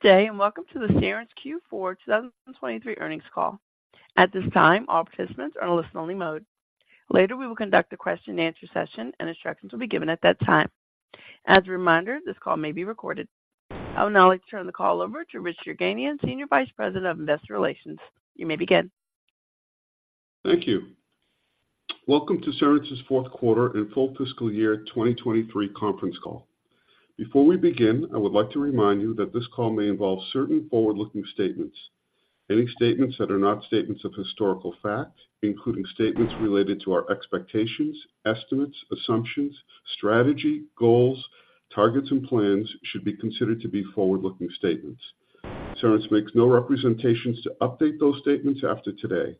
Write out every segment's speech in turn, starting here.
Good day, and welcome to the Cerence Q4 2023 earnings call. At this time, all participants are in listen-only mode. Later, we will conduct a question-and-answer session, and instructions will be given at that time. As a reminder, this call may be recorded. I would now like to turn the call over to Rich Yerganian, Senior Vice President of Investor Relations. You may begin. Thank you. Welcome to Cerence's fourth quarter and full fiscal year 2023 conference call. Before we begin, I would like to remind you that this call may involve certain forward-looking statements. Any statements that are not statements of historical fact, including statements related to our expectations, estimates, assumptions, strategy, goals, targets, and plans, should be considered to be forward-looking statements. Cerence makes no representations to update those statements after today.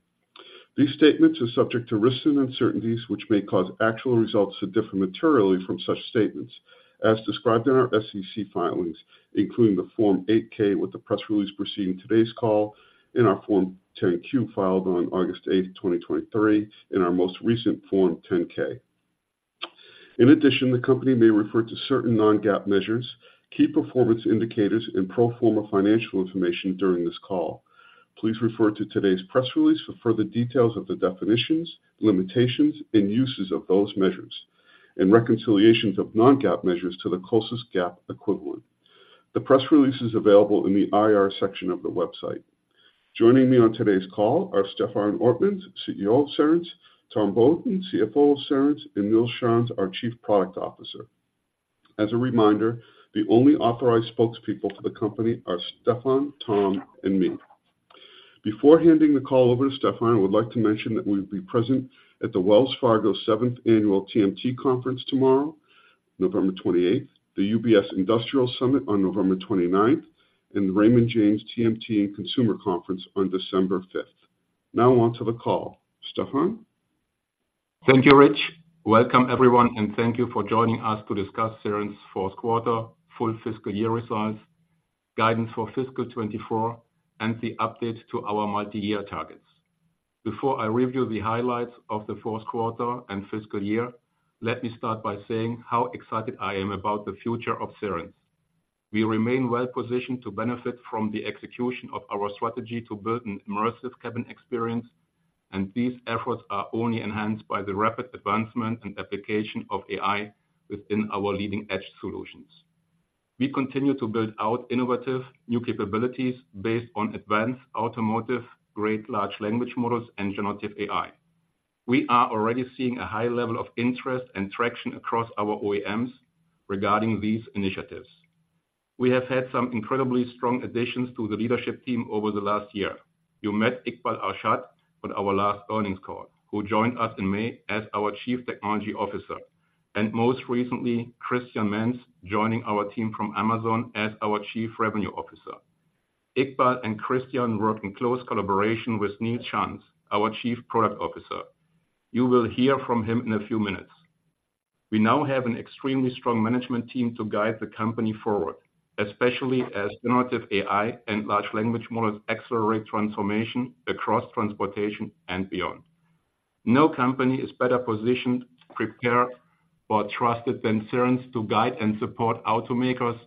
These statements are subject to risks and uncertainties, which may cause actual results to differ materially from such statements as described in our SEC filings, including the Form 8-K with the press release preceding today's call, and our Form 10-Q, filed on August 8, 2023, and our most recent Form 10-K. In addition, the company may refer to certain non-GAAP measures, key performance indicators, and pro forma financial information during this call. Please refer to today's press release for further details of the definitions, limitations, and uses of those measures, and reconciliations of non-GAAP measures to the closest GAAP equivalent. The press release is available in the IR section of the website. Joining me on today's call are Stefan Ortmanns, CEO of Cerence, Tom Beaudoin, CFO of Cerence, and Nils Schanz, our Chief Product Officer. As a reminder, the only authorized spokespeople for the company are Stefan, Tom, and me. Before handing the call over to Stefan, I would like to mention that we'll be present at the Wells Fargo 7th Annual TMT Conference tomorrow, November 28th, the UBS Industrial Summit on November 29th, and the Raymond James TMT and Consumer Conference on December 5th. Now on to the call. Stefan? Thank you, Rich. Welcome, everyone, and thank you for joining us to discuss Cerence's fourth quarter, full fiscal year results, guidance for fiscal 2024, and the update to our multi-year targets. Before I review the highlights of the fourth quarter and fiscal year, let me start by saying how excited I am about the future of Cerence. We remain well-positioned to benefit from the execution of our strategy to build an immersive cabin experience, and these efforts are only enhanced by the rapid advancement and application of AI within our leading-edge solutions. We continue to build out innovative new capabilities based on advanced automotive-grade large language models, and generative AI. We are already seeing a high level of interest and traction across our OEMs regarding these initiatives. We have had some incredibly strong additions to the leadership team over the last year. You met Iqbal Arshad on our last earnings call, who joined us in May as our Chief Technology Officer, and most recently, Christian Mentz, joining our team from Amazon as our Chief Revenue Officer. Iqbal and Christian work in close collaboration with Nils Schanz, our Chief Product Officer. You will hear from him in a few minutes. We now have an extremely strong management team to guide the company forward, especially as generative AI and large language models accelerate transformation across transportation and beyond. No company is better positioned, prepared, or trusted than Cerence to guide and support automakers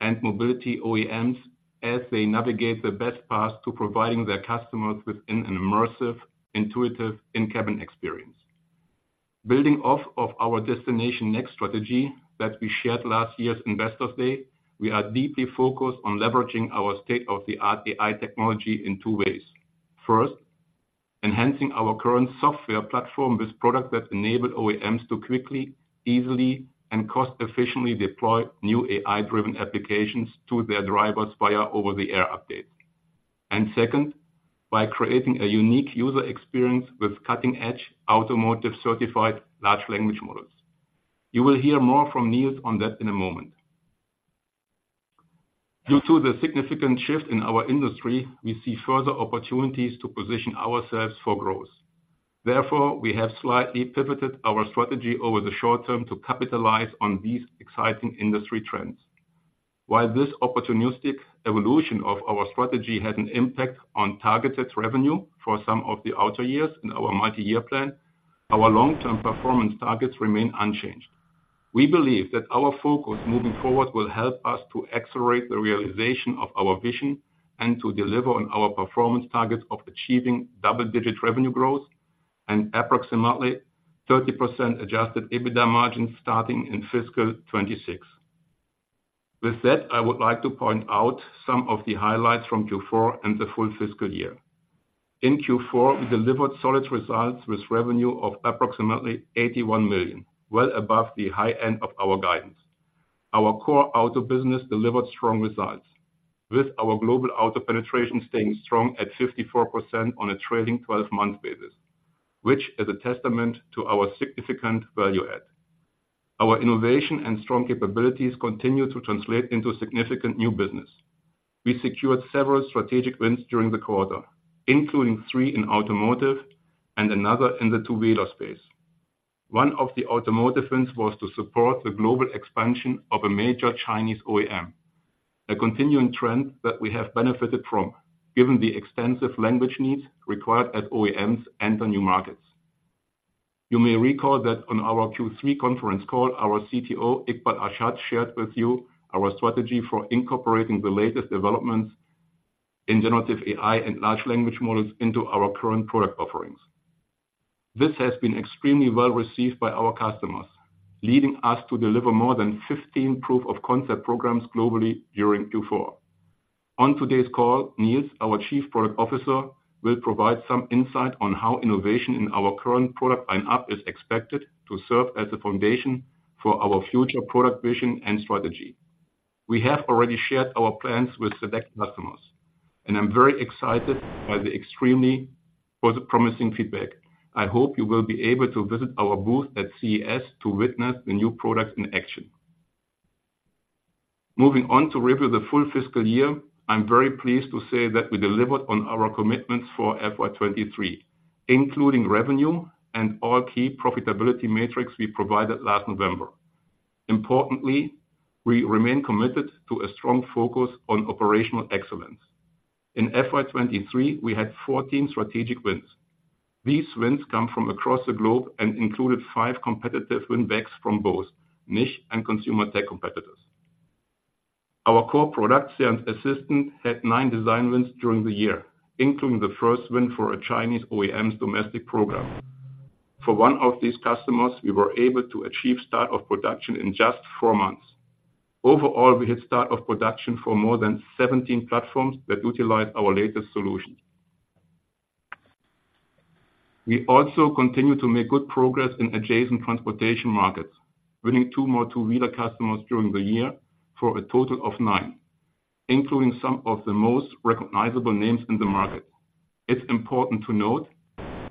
and mobility OEMs as they navigate the best path to providing their customers with an immersive, intuitive, in-cabin experience. Building off of our Destination Next strategy that we shared last year's Investor Day, we are deeply focused on leveraging our state-of-the-art AI technology in two ways. First, enhancing our current software platform with products that enable OEMs to quickly, easily, and cost-efficiently deploy new AI-driven applications to their drivers via over-the-air updates. And second, by creating a unique user experience with cutting-edge, automotive-certified, large language models. You will hear more from Nils on that in a moment. Due to the significant shift in our industry, we see further opportunities to position ourselves for growth. Therefore, we have slightly pivoted our strategy over the short term to capitalize on these exciting industry trends. While this opportunistic evolution of our strategy had an impact on targeted revenue for some of the outer years in our multi-year plan, our long-term performance targets remain unchanged. We believe that our focus moving forward will help us to accelerate the realization of our vision and to deliver on our performance targets of achieving double-digit revenue growth and approximately 30% adjusted EBITDA margins starting in fiscal 2026. With that, I would like to point out some of the highlights from Q4 and the full fiscal year. In Q4, we delivered solid results with revenue of approximately $81 million, well above the high end of our guidance. Our Core Auto business delivered strong results, with our global auto penetration staying strong at 54% on a trailing twelve-month basis, which is a testament to our significant value add. Our innovation and strong capabilities continue to translate into significant new business. We secured several strategic wins during the quarter, including three in automotive and another in the two-wheeler space. One of the automotive wins was to support the global expansion of a major Chinese OEM, a continuing trend that we have benefited from, given the extensive language needs required at OEMs and the new markets. You may recall that on our Q3 conference call, our CTO, Iqbal Arshad, shared with you our strategy for incorporating the latest developments in generative AI and large language models into our current product offerings. This has been extremely well received by our customers, leading us to deliver more than 15 proof of concept programs globally during Q4. On today's call, Nils, our Chief Product Officer, will provide some insight on how innovation in our current product line up is expected to serve as a foundation for our future product vision and strategy. We have already shared our plans with select customers, and I'm very excited by the extremely promising feedback. I hope you will be able to visit our booth at CES to witness the new products in action. Moving on to review the full fiscal year, I'm very pleased to say that we delivered on our commitments for FY 2023, including revenue and all key profitability metrics we provided last November. Importantly, we remain committed to a strong focus on operational excellence. In FY 2023, we had 14 strategic wins. These wins come from across the globe and included five competitive win backs from both niche and consumer tech competitors. Our core product, Cerence Assistant, had nine design wins during the year, including the first win for a Chinese OEM's domestic program. For one of these customers, we were able to achieve start of production in just four months. Overall, we had start of production for more than 17 platforms that utilize our latest solution. We also continue to make good progress in adjacent transportation markets, winning two more two-wheeler customers during the year for a total of nine, including some of the most recognizable names in the market. It's important to note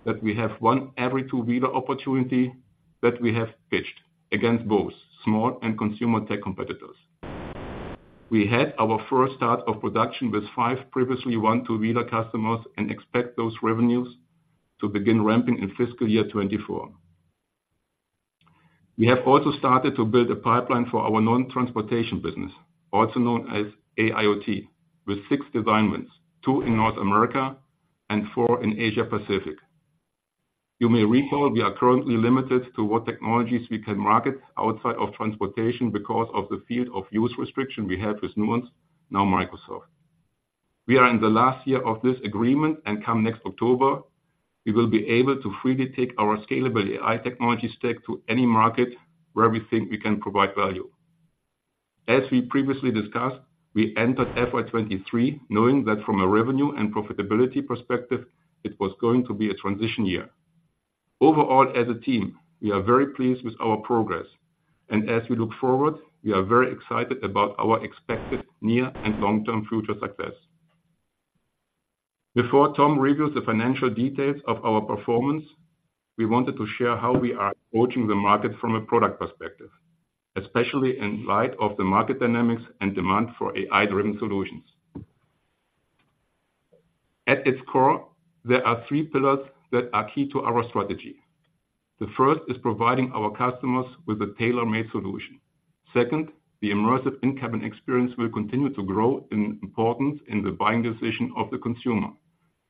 that we have won every two-wheeler opportunity that we have pitched against both small and consumer tech competitors. We had our first start of production with five previously won two-wheeler customers and expect those revenues to begin ramping in fiscal year 2024. We have also started to build a pipeline for our non-transportation business, also known as AIoT, with six design wins, two in North America and four in Asia Pacific. You may recall, we are currently limited to what technologies we can market outside of transportation because of the field of use restriction we had with Nuance, now Microsoft. We are in the last year of this agreement, and come next October, we will be able to freely take our scalable AI technology stack to any market where we think we can provide value. As we previously discussed, we entered FY 2023, knowing that from a revenue and profitability perspective, it was going to be a transition year. Overall, as a team, we are very pleased with our progress, and as we look forward, we are very excited about our expected near- and long-term future success. Before Tom reviews the financial details of our performance, we wanted to share how we are approaching the market from a product perspective, especially in light of the market dynamics and demand for AI-driven solutions. At its core, there are three pillars that are key to our strategy. The first is providing our customers with a tailor-made solution. Second, the immersive in-cabin experience will continue to grow in importance in the buying decision of the consumer.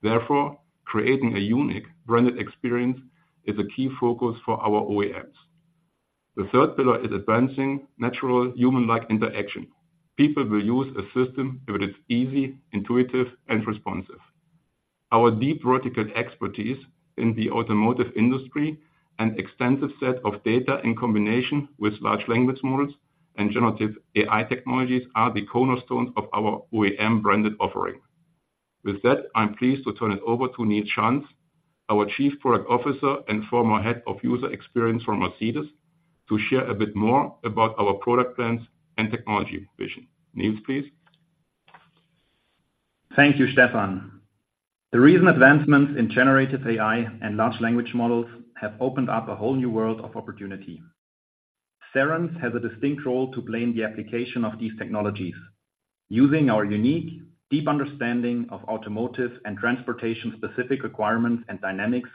Therefore, creating a unique branded experience is a key focus for our OEMs. The third pillar is advancing natural, human-like interaction. People will use a system if it is easy, intuitive, and responsive. Our deep vertical expertise in the automotive industry and extensive set of data in combination with large language models and generative AI technologies are the cornerstone of our OEM-branded offering. With that, I'm pleased to turn it over to Nils Schanz, our Chief Product Officer and former Head of User Experience from Mercedes, to share a bit more about our product plans and technology vision. Nils, please? Thank you, Stefan. The recent advancements in generative AI and large language models have opened up a whole new world of opportunity. Cerence has a distinct role to play in the application of these technologies, using our unique, deep understanding of automotive and transportation-specific requirements and dynamics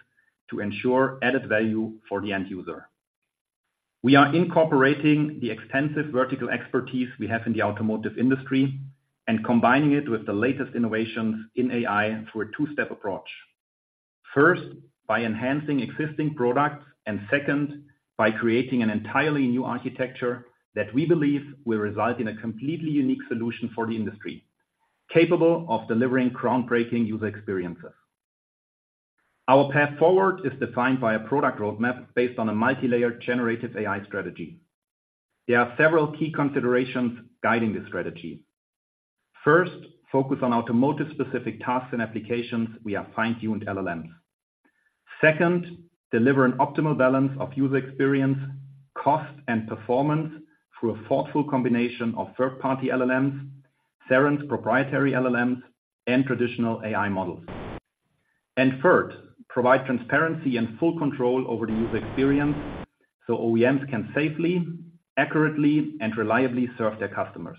to ensure added value for the end user. We are incorporating the extensive vertical expertise we have in the automotive industry and combining it with the latest innovations in AI through a two-step approach. First, by enhancing existing products, and second, by creating an entirely new architecture that we believe will result in a completely unique solution for the industry, capable of delivering groundbreaking user experiences. Our path forward is defined by a product roadmap based on a multilayered generative AI strategy. There are several key considerations guiding this strategy. First, focus on automotive-specific tasks and applications via fine-tuned LLMs. Second, deliver an optimal balance of user experience, cost, and performance through a thoughtful combination of third-party LLMs, Cerence proprietary LLMs, and traditional AI models. Third, provide transparency and full control over the user experience, so OEMs can safely, accurately, and reliably serve their customers.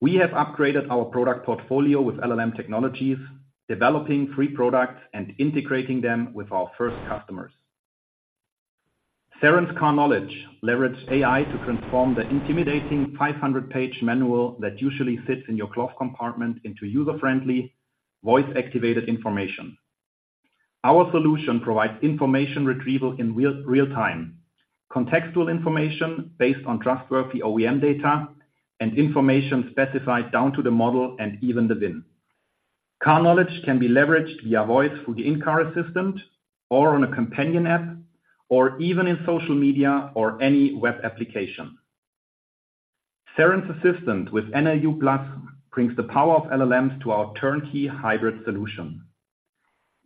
We have upgraded our product portfolio with LLM technologies, developing three products and integrating them with our first customers. Cerence Car Knowledge leverages AI to transform the intimidating 500-page manual that usually sits in your glove compartment into user-friendly, voice-activated information. Our solution provides information retrieval in real, real-time, contextual information based on trustworthy OEM data, and information specified down to the model and even the VIN. Car Knowledge can be leveraged via voice through the in-car assistant, or on a companion app, or even in social media or any web application. Cerence Assistant with NLU+ brings the power of LLMs to our turnkey hybrid solution.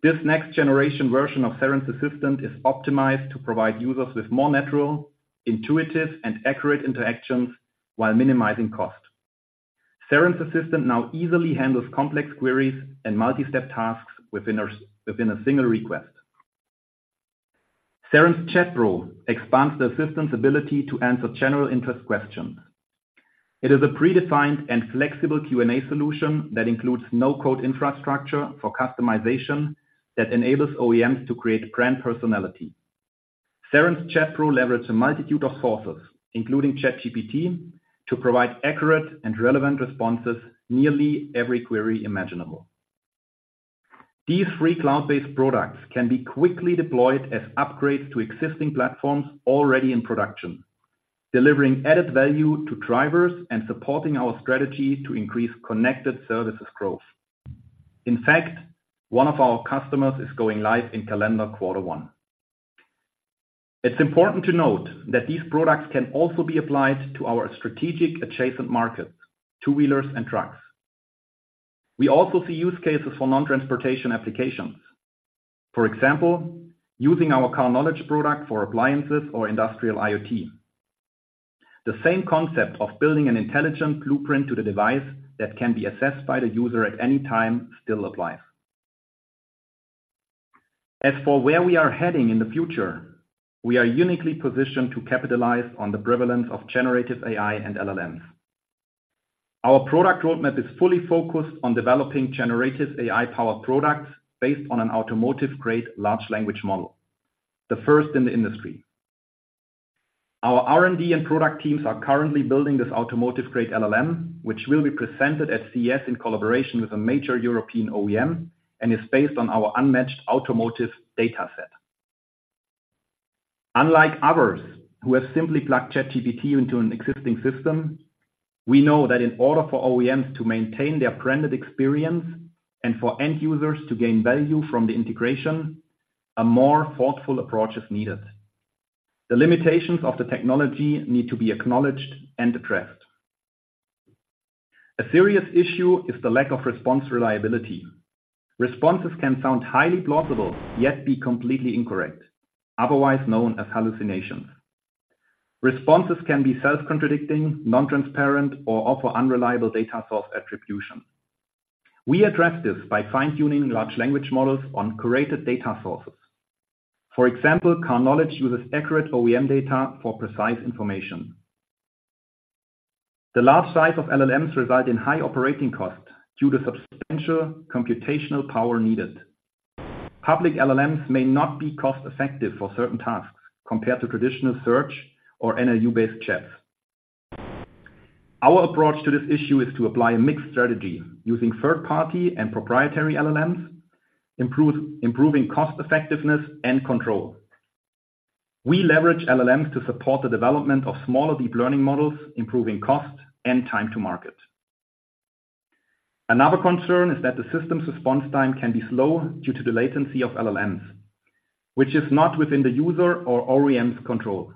This next generation version of Cerence Assistant is optimized to provide users with more natural, intuitive, and accurate interactions while minimizing cost. Cerence Assistant now easily handles complex queries and multi-step tasks within a single request. Cerence Chat Pro expands the assistant's ability to answer general interest questions. It is a predefined and flexible Q&A solution that includes no-code infrastructure for customization, that enables OEMs to create brand personality. Cerence Chat Pro leverages a multitude of sources, including ChatGPT, to provide accurate and relevant responses to nearly every query imaginable. These three cloud-based products can be quickly deployed as upgrades to existing platforms already in production, delivering added value to drivers and supporting our strategy to increase connected services growth. In fact, one of our customers is going live in calendar quarter one. It's important to note that these products can also be applied to our strategic adjacent markets, two-wheelers and trucks. We also see use cases for non-transportation applications. For example, using our Car Knowledge product for appliances or industrial IoT. The same concept of building an intelligent blueprint to the device that can be assessed by the user at any time, still applies. As for where we are heading in the future, we are uniquely positioned to capitalize on the prevalence of generative AI and LLMs. Our product roadmap is fully focused on developing generative AI-powered products based on an automotive-grade large language model, the first in the industry. Our R&D and product teams are currently building this automotive-grade LLM, which will be presented at CES in collaboration with a major European OEM, and is based on our unmatched automotive data set. Unlike others, who have simply plugged ChatGPT into an existing system, we know that in order for OEMs to maintain their branded experience and for end users to gain value from the integration, a more thoughtful approach is needed. The limitations of the technology need to be acknowledged and addressed. A serious issue is the lack of response reliability. Responses can sound highly plausible, yet be completely incorrect, otherwise known as hallucinations. Responses can be self-contradicting, non-transparent, or offer unreliable data source attribution. We address this by fine-tuning large language models on curated data sources. For example, Car Knowledge uses accurate OEM data for precise information. The large size of LLMs reside in high operating costs due to substantial computational power needed. Public LLMs may not be cost-effective for certain tasks compared to traditional search or NLU-based chats. Our approach to this issue is to apply a mixed strategy using third-party and proprietary LLMs, improving cost effectiveness and control. We leverage LLMs to support the development of smaller deep learning models, improving cost and time to market. Another concern is that the system's response time can be slow due to the latency of LLMs, which is not within the user or OEM's control.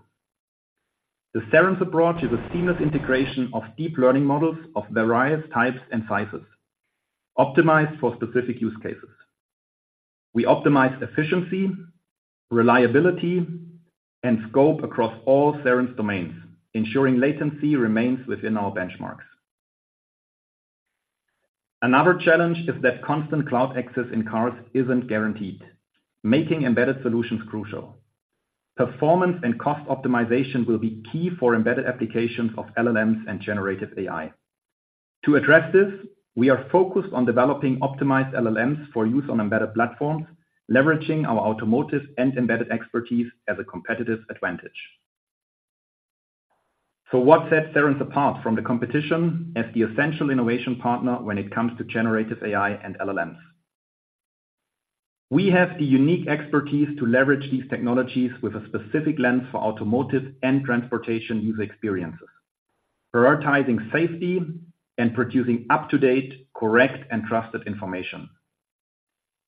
The Cerence approach is a seamless integration of deep learning models of various types and sizes, optimized for specific use cases. We optimize efficiency, reliability, and scope across all Cerence domains, ensuring latency remains within our benchmarks. Another challenge is that constant cloud access in cars isn't guaranteed, making embedded solutions crucial. Performance and cost optimization will be key for embedded applications of LLMs and generative AI. To address this, we are focused on developing optimized LLMs for use on embedded platforms, leveraging our automotive and embedded expertise as a competitive advantage. So what sets Cerence apart from the competition as the essential innovation partner when it comes to generative AI and LLMs? We have the unique expertise to leverage these technologies with a specific lens for automotive and transportation user experiences, prioritizing safety and producing up-to-date, correct, and trusted information.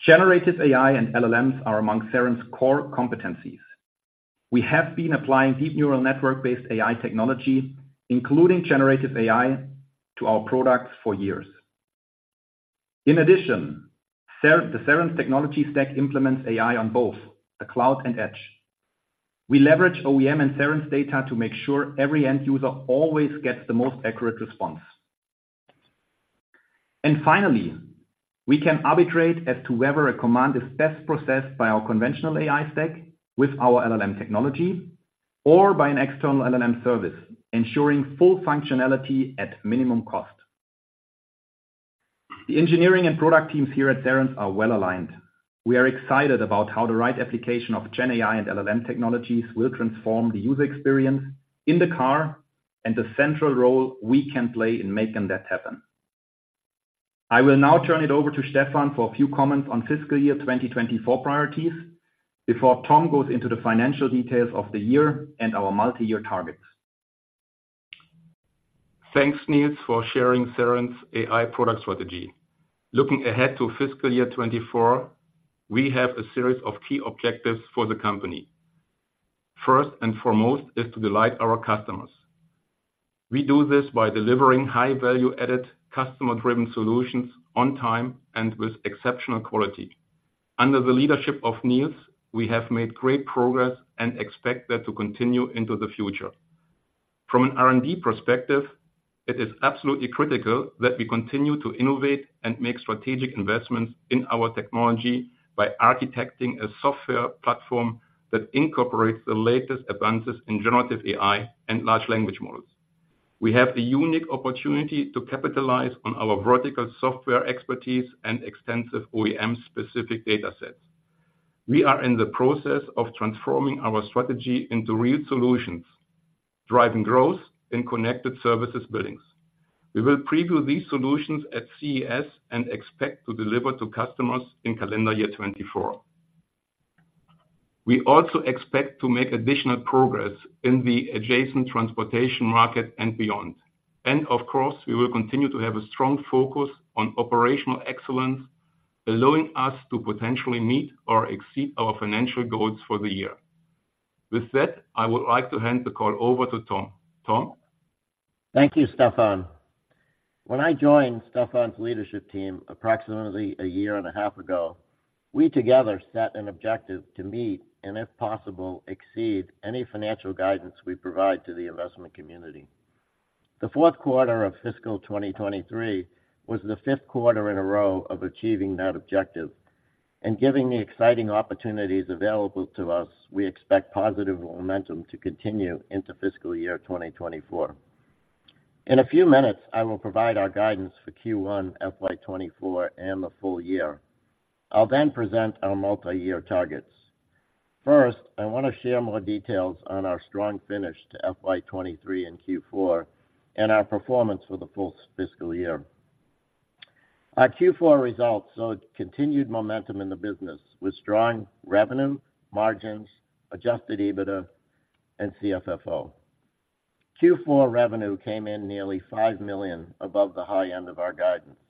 Generative AI and LLMs are among Cerence's core competencies. We have been applying deep neural network-based AI technology, including generative AI, to our products for years. In addition, the Cerence technology stack implements AI on both the cloud and edge. We leverage OEM and Cerence data to make sure every end user always gets the most accurate response. Finally, we can arbitrate as to whether a command is best processed by our conventional AI stack with our LLM technology, or by an external LLM service, ensuring full functionality at minimum cost. The engineering and product teams here at Cerence are well aligned. We are excited about how the right application of GenAI and LLM technologies will transform the user experience in the car, and the central role we can play in making that happen. I will now turn it over to Stefan for a few comments on fiscal year 2024 priorities, before Tom goes into the financial details of the year and our multi-year targets. Thanks, Nils, for sharing Cerence AI product strategy. Looking ahead to fiscal year 2024, we have a series of key objectives for the company. First and foremost is to delight our customers. We do this by delivering high-value-added customer-driven solutions on time and with exceptional quality. Under the leadership of Nils, we have made great progress and expect that to continue into the future. From an R&D perspective, it is absolutely critical that we continue to innovate and make strategic investments in our technology by architecting a software platform that incorporates the latest advances in generative AI and large language models. We have the unique opportunity to capitalize on our vertical software expertise and extensive OEM-specific data sets. We are in the process of transforming our strategy into real solutions, driving growth in connected services billings. We will preview these solutions at CES and expect to deliver to customers in calendar year 2024. We also expect to make additional progress in the adjacent transportation market and beyond. Of course, we will continue to have a strong focus on operational excellence, allowing us to potentially meet or exceed our financial goals for the year. With that, I would like to hand the call over to Tom. Tom? Thank you, Stefan. When I joined Stefan's leadership team approximately a year and a half ago, we together set an objective to meet, and if possible, exceed any financial guidance we provide to the investment community. The fourth quarter of fiscal 2023 was the fifth quarter in a row of achieving that objective, and given the exciting opportunities available to us, we expect positive momentum to continue into fiscal year 2024. In a few minutes, I will provide our guidance for Q1 FY 2024 and the full year. I'll then present our multi-year targets. First, I want to share more details on our strong finish to FY 2023 and Q4, and our performance for the full fiscal year. Our Q4 results showed continued momentum in the business, with strong revenue, margins, adjusted EBITDA and CFFO. Q4 revenue came in nearly $5 million above the high end of our guidance,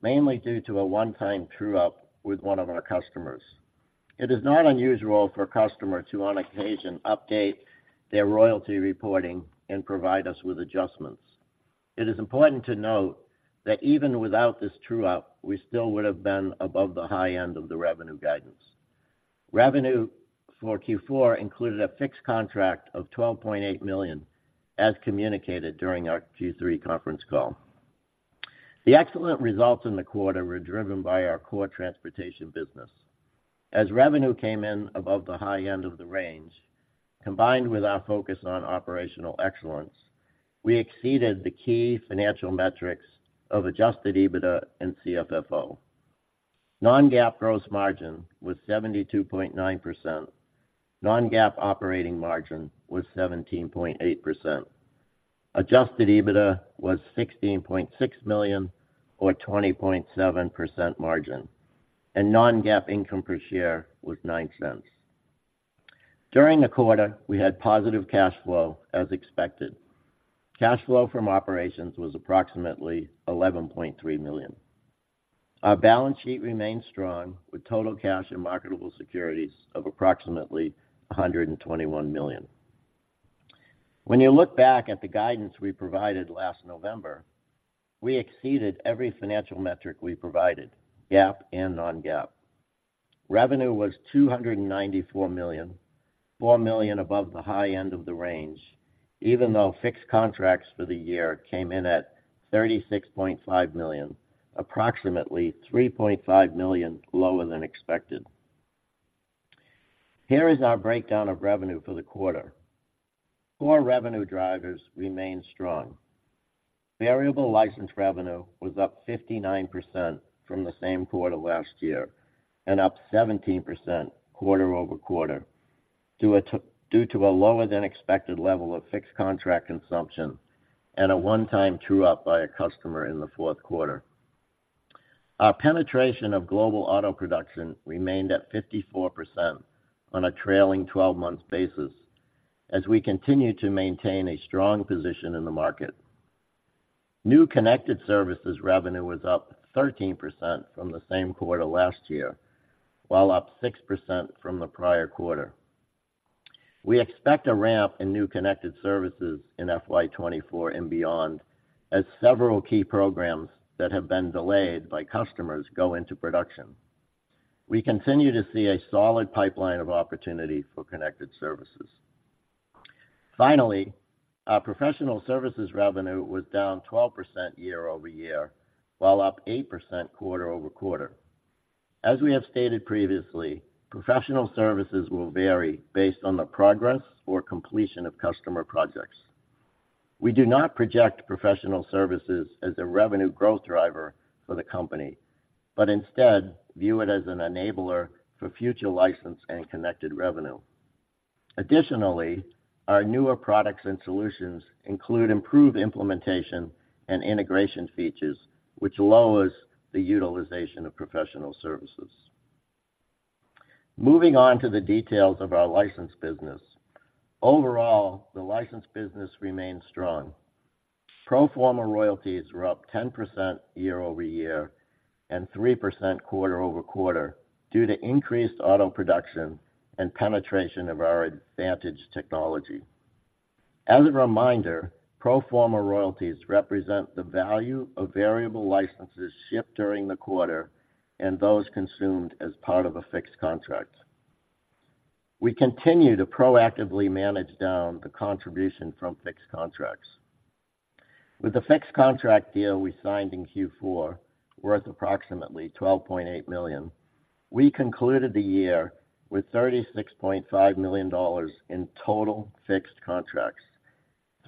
mainly due to a one-time true-up with one of our customers. It is not unusual for a customer to, on occasion, update their royalty reporting and provide us with adjustments. It is important to note that even without this true-up, we still would have been above the high end of the revenue guidance. Revenue for Q4 included a fixed contract of $12.8 million, as communicated during our Q3 conference call. The excellent results in the quarter were driven by our core transportation business. As revenue came in above the high end of the range, combined with our focus on operational excellence, we exceeded the key financial metrics of adjusted EBITDA and CFFO. Non-GAAP gross margin was 72.9%. Non-GAAP operating margin was 17.8%. Adjusted EBITDA was $16.6 million, or 20.7% margin, and non-GAAP income per share was $0.09. During the quarter, we had positive cash flow as expected. Cash flow from operations was approximately $11.3 million. Our balance sheet remains strong, with total cash and marketable securities of approximately $121 million. When you look back at the guidance we provided last November, we exceeded every financial metric we provided, GAAP and non-GAAP. Revenue was $294 million, $4 million above the high end of the range, even though fixed contracts for the year came in at $36.5 million, approximately $3.5 million lower than expected. Here is our breakdown of revenue for the quarter. Core revenue drivers remain strong. Variable license revenue was up 59% from the same quarter last year, and up 17% quarter-over-quarter, due to a lower than expected level of fixed contract consumption and a one-time true-up by a customer in the fourth quarter. Our penetration of global auto production remained at 54% on a trailing 12-month basis, as we continue to maintain a strong position in the market. New connected services revenue was up 13% from the same quarter last year, while up 6% from the prior quarter. We expect a ramp in new connected services in FY 2024 and beyond, as several key programs that have been delayed by customers go into production. We continue to see a solid pipeline of opportunity for connected services. Finally, our professional services revenue was down 12% year-over-year, while up 8% quarter-over-quarter. As we have stated previously, professional services will vary based on the progress or completion of customer projects. We do not project professional services as a revenue growth driver for the company, but instead view it as an enabler for future license and connected revenue. Additionally, our newer products and solutions include improved implementation and integration features, which lowers the utilization of professional services. Moving on to the details of our license business. Overall, the license business remains strong. Pro forma royalties were up 10% year-over-year and 3% quarter-over-quarter due to increased auto production and penetration of our advantage technology. As a reminder, pro forma royalties represent the value of variable licenses shipped during the quarter and those consumed as part of a fixed contract. We continue to proactively manage down the contribution from fixed contracts. With the fixed contract deal we signed in Q4, worth approximately $12.8 million, we concluded the year with $36.5 million in total fixed contracts,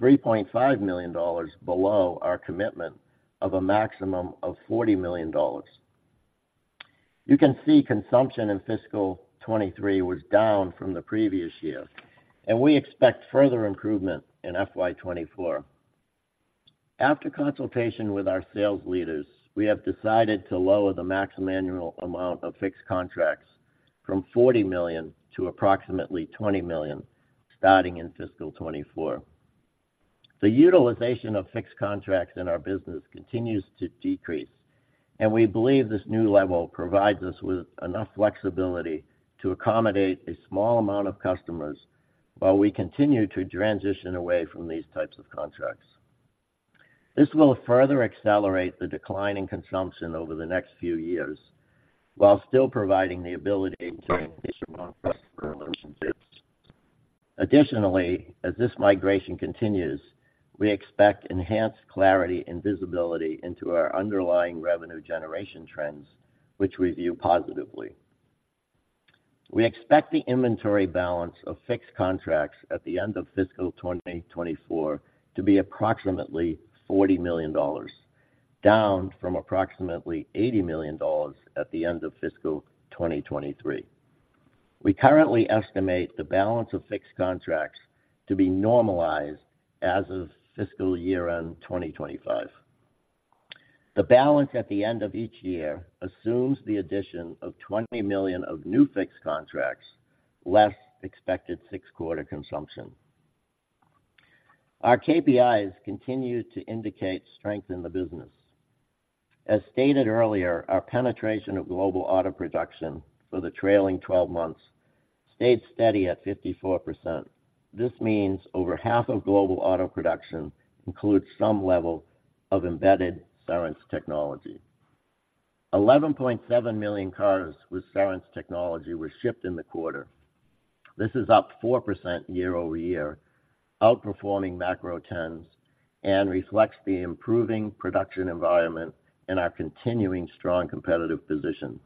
$3.5 million below our commitment of a maximum of $40 million. You can see consumption in fiscal 2023 was down from the previous year, and we expect further improvement in FY 2024. After consultation with our sales leaders, we have decided to lower the maximum annual amount of fixed contracts from $40 million to approximately $20 million, starting in fiscal 2024. The utilization of fixed contracts in our business continues to decrease, and we believe this new level provides us with enough flexibility to accommodate a small amount of customers while we continue to transition away from these types of contracts. This will further accelerate the decline in consumption over the next few years, while still providing the ability to maintain strong customer relationships. Additionally, as this migration continues, we expect enhanced clarity and visibility into our underlying revenue generation trends, which we view positively. We expect the inventory balance of fixed contracts at the end of fiscal 2024 to be approximately $40 million, down from approximately $80 million at the end of fiscal 2023. We currently estimate the balance of fixed contracts to be normalized as of fiscal year end 2025. The balance at the end of each year assumes the addition of $20 million of new fixed contracts, less expected six-quarter consumption. Our KPIs continue to indicate strength in the business. As stated earlier, our penetration of global auto production for the trailing twelve months stayed steady at 54%. This means over half of global auto production includes some level of embedded Cerence technology. 11.7 million cars with Cerence technology were shipped in the quarter. This is up 4% year-over-year, outperforming macro trends, and reflects the improving production environment and our continuing strong competitive position.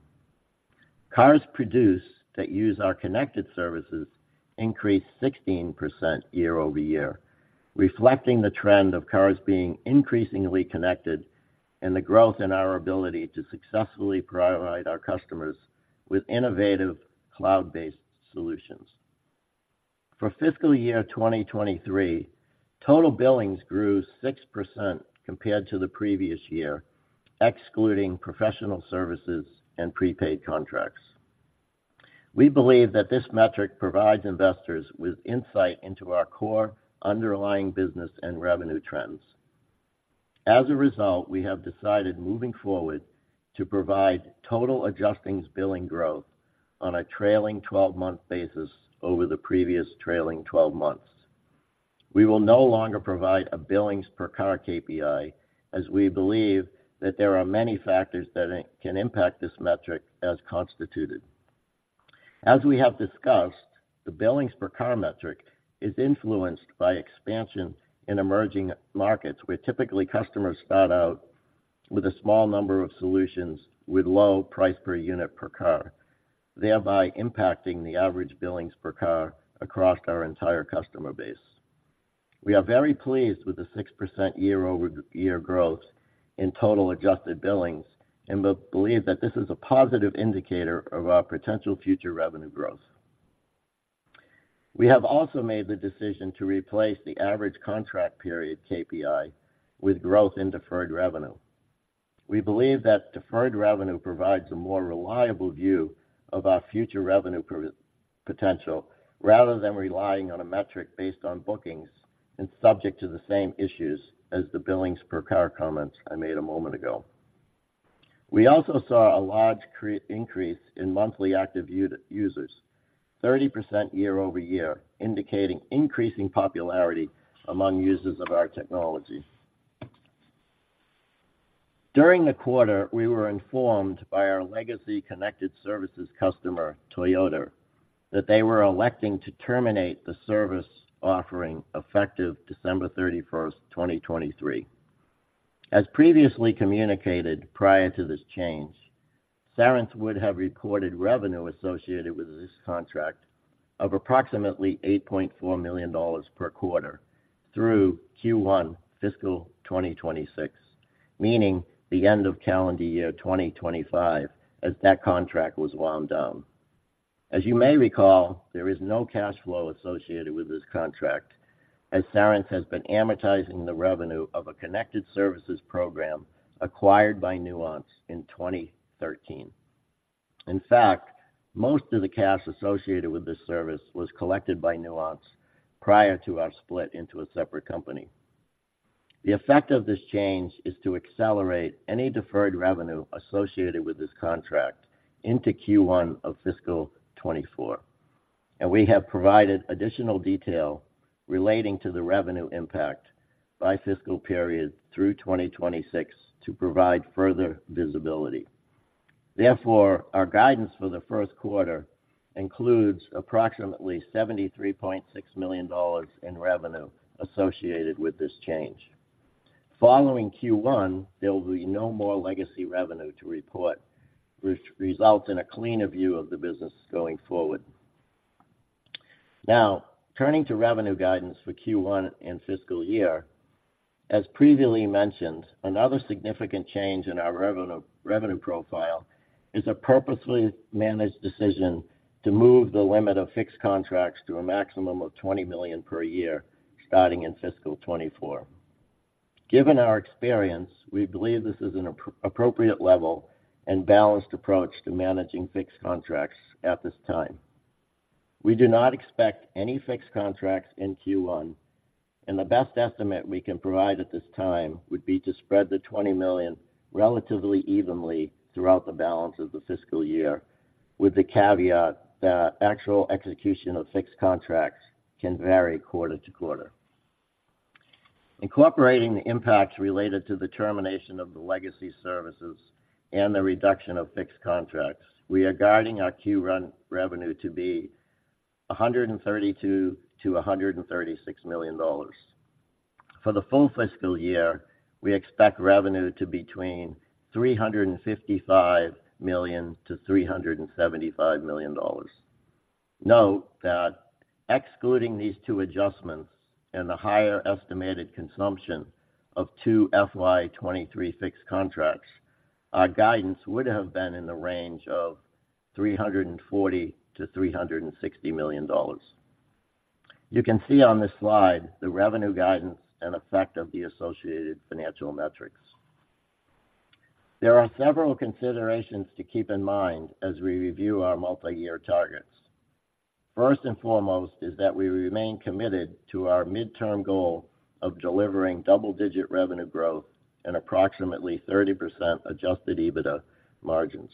Cars produced that use our connected services increased 16% year-over-year, reflecting the trend of cars being increasingly connected and the growth in our ability to successfully provide our customers with innovative cloud-based solutions. For fiscal year 2023, total billings grew 6% compared to the previous year, excluding professional services and prepaid contracts. We believe that this metric provides investors with insight into our core underlying business and revenue trends. As a result, we have decided, moving forward, to provide total adjusting billing growth on a trailing 12-month basis over the previous trailing 12 months. We will no longer provide a billings per car KPI as we believe that there are many factors that can impact this metric as constituted. As we have discussed, the billings per car metric is influenced by expansion in emerging markets, where typically customers start out with a small number of solutions with low price per unit per car, thereby impacting the average billings per car across our entire customer base. We are very pleased with the 6% year-over-year growth in total adjusted billings and believe that this is a positive indicator of our potential future revenue growth. We have also made the decision to replace the average contract period KPI with growth in deferred revenue. We believe that deferred revenue provides a more reliable view of our future revenue potential, rather than relying on a metric based on bookings and subject to the same issues as the billings per car comments I made a moment ago. We also saw a large increase in monthly active users, 30% year-over-year, indicating increasing popularity among users of our technology. During the quarter, we were informed by our legacy connected services customer, Toyota, that they were electing to terminate the service offering effective December 31st, 2023. As previously communicated, prior to this change, Cerence would have reported revenue associated with this contract of approximately $8.4 million per quarter through Q1 fiscal 2026, meaning the end of calendar year 2025, as that contract was wound down. As you may recall, there is no cash flow associated with this contract, as Cerence has been amortizing the revenue of a connected services program acquired by Nuance in 2013. In fact, most of the cash associated with this service was collected by Nuance prior to our split into a separate company. The effect of this change is to accelerate any deferred revenue associated with this contract into Q1 of fiscal 2024, and we have provided additional detail relating to the revenue impact by fiscal period through 2026 to provide further visibility. Therefore, our guidance for the first quarter includes approximately $73.6 million in revenue associated with this change. Following Q1, there will be no more legacy revenue to report, which results in a cleaner view of the business going forward. Now, turning to revenue guidance for Q1 and fiscal year. As previously mentioned, another significant change in our revenue profile is a purposefully managed decision to move the limit of fixed contracts to a maximum of $20 million per year, starting in fiscal 2024. Given our experience, we believe this is an appropriate level and balanced approach to managing fixed contracts at this time. We do not expect any fixed contracts in Q1, and the best estimate we can provide at this time would be to spread the $20 million relatively evenly throughout the balance of the fiscal year, with the caveat that actual execution of fixed contracts can vary quarter to quarter. Incorporating the impacts related to the termination of the legacy services and the reduction of fixed contracts, we are guiding our Q1 revenue to be $132 million-$136 million. For the full fiscal year, we expect revenue to be between $355 million-$375 million. Note that excluding these two adjustments and the higher estimated consumption of two FY 2023 fixed contracts, our guidance would have been in the range of $340 million-$360 million. You can see on this slide the revenue guidance and effect of the associated financial metrics. There are several considerations to keep in mind as we review our multiyear targets. First and foremost is that we remain committed to our midterm goal of delivering double-digit revenue growth and approximately 30% adjusted EBITDA margins.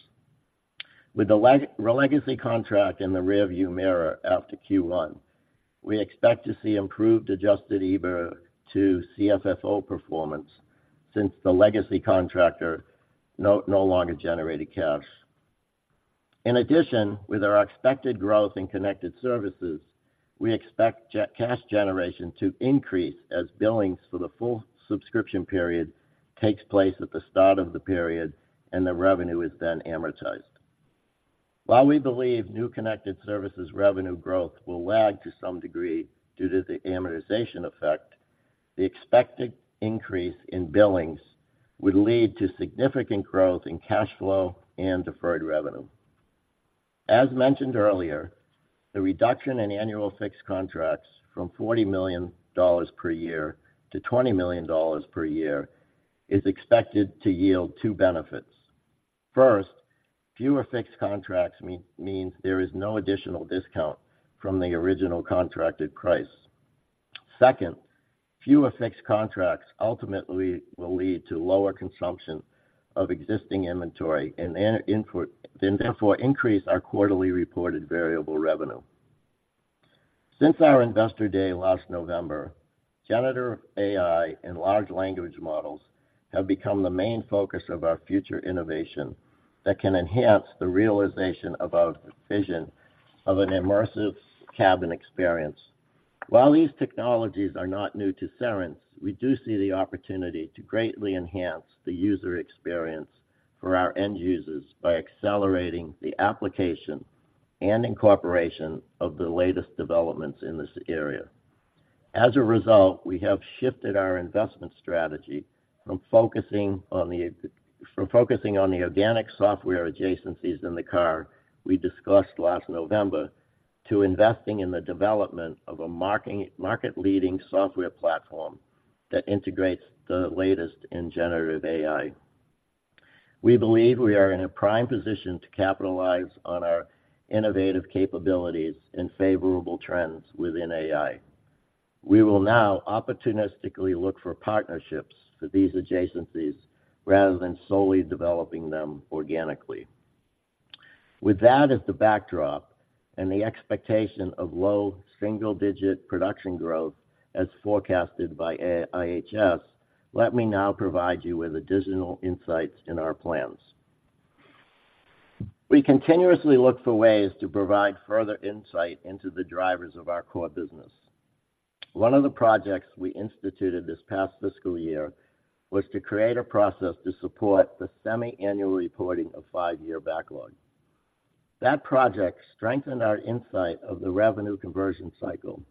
With the legacy contract in the rearview mirror after Q1, we expect to see improved adjusted EBITDA to CFFO performance since the legacy contract no longer generated cash. In addition, with our expected growth in connected services, we expect greater cash generation to increase as billings for the full subscription period takes place at the start of the period and the revenue is then amortized. While we believe new connected services revenue growth will lag to some degree due to the amortization effect, the expected increase in billings would lead to significant growth in cash flow and deferred revenue. As mentioned earlier, the reduction in annual fixed contracts from $40 million per year to $20 million per year is expected to yield two benefits. First, fewer fixed contracts means there is no additional discount from the original contracted price. Second, fewer fixed contracts ultimately will lead to lower consumption of existing inventory and therefore increase our quarterly reported variable revenue. Since our Investor Day last November, generative AI and large language models have become the main focus of our future innovation that can enhance the realization of our vision of an immersive cabin experience. While these technologies are not new to Cerence, we do see the opportunity to greatly enhance the user experience for our end users by accelerating the application and incorporation of the latest developments in this area. As a result, we have shifted our investment strategy from focusing on the organic software adjacencies in the car we discussed last November, to investing in the development of a market-leading software platform that integrates the latest in generative AI. We believe we are in a prime position to capitalize on our innovative capabilities and favorable trends within AI. We will now opportunistically look for partnerships for these adjacencies rather than solely developing them organically. With that as the backdrop and the expectation of low single-digit production growth as forecasted by IHS, let me now provide you with additional insights in our plans. We continuously look for ways to provide further insight into the drivers of our core business. One of the projects we instituted this past fiscal year was to create a process to support the semiannual reporting of five-year backlog. That project strengthened our insight of the revenue conversion cycle.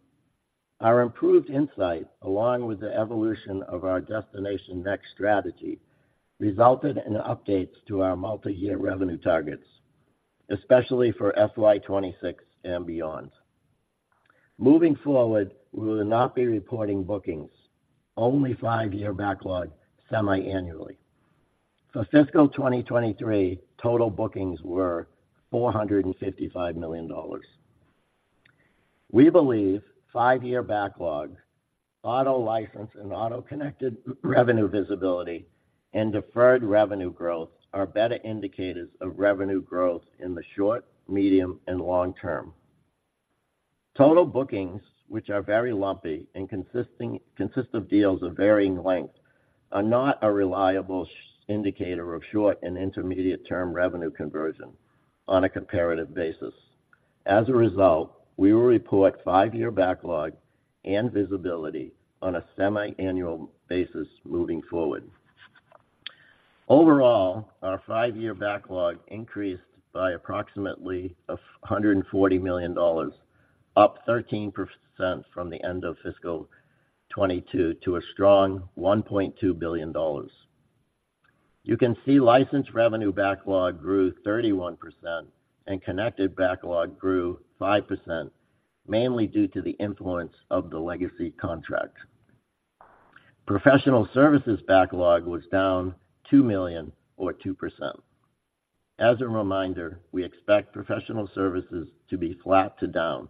Our improved insight, along with the evolution of our Destination Next strategy, resulted in updates to our multi-year revenue targets, especially for FY 2026 and beyond. Moving forward, we will not be reporting bookings, only five-year backlog semiannually. For fiscal 2023, total bookings were $455 million. We believe five-year backlog, auto license and auto connected revenue visibility, and deferred revenue growth are better indicators of revenue growth in the short, medium, and long term. Total bookings, which are very lumpy and consist of deals of varying length, are not a reliable indicator of short and intermediate term revenue conversion on a comparative basis. As a result, we will report five-year backlog and visibility on a semiannual basis moving forward. Overall, our five-year backlog increased by approximately $140 million, up 13% from the end of fiscal 2022 to a strong $1.2 billion. You can see license revenue backlog grew 31% and connected backlog grew 5%, mainly due to the influence of the legacy contract. Professional services backlog was down $2 million or 2%. As a reminder, we expect professional services to be flat to down.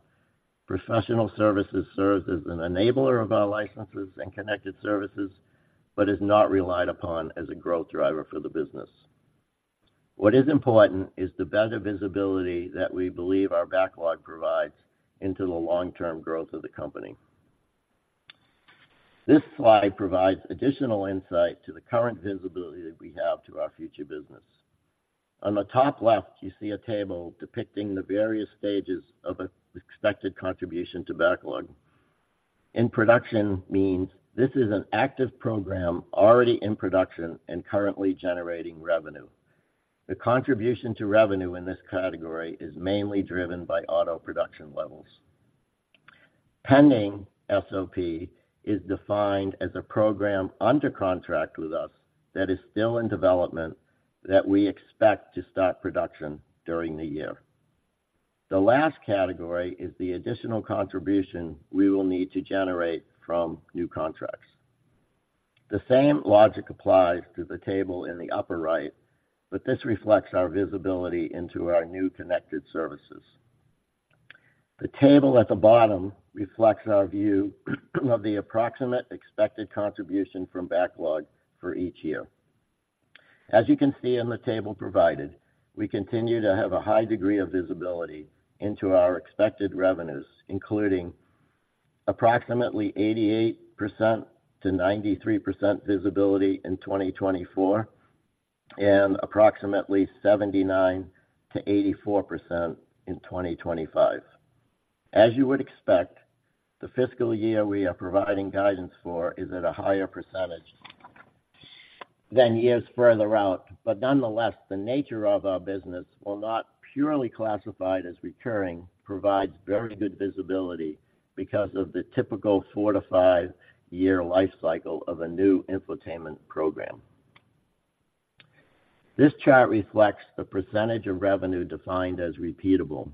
Professional services serves as an enabler of our licenses and connected services, but is not relied upon as a growth driver for the business. What is important is the better visibility that we believe our backlog provides into the long-term growth of the company. This slide provides additional insight to the current visibility that we have to our future business. On the top left, you see a table depicting the various stages of an expected contribution to backlog. In production means this is an active program already in production and currently generating revenue. The contribution to revenue in this category is mainly driven by auto production levels. Pending SOP is defined as a program under contract with us that is still in development, that we expect to start production during the year. The last category is the additional contribution we will need to generate from new contracts. The same logic applies to the table in the upper right, but this reflects our visibility into our new connected services. The table at the bottom reflects our view of the approximate expected contribution from backlog for each year. As you can see in the table provided, we continue to have a high degree of visibility into our expected revenues, including approximately 88%-93% visibility in 2024, and approximately 79%-84% in 2025. As you would expect, the fiscal year we are providing guidance for is at a higher percentage than years further out, but nonetheless, the nature of our business, while not purely classified as recurring, provides very good visibility because of the typical four- to five-year life cycle of a new infotainment program. This chart reflects the percentage of revenue defined as repeatable.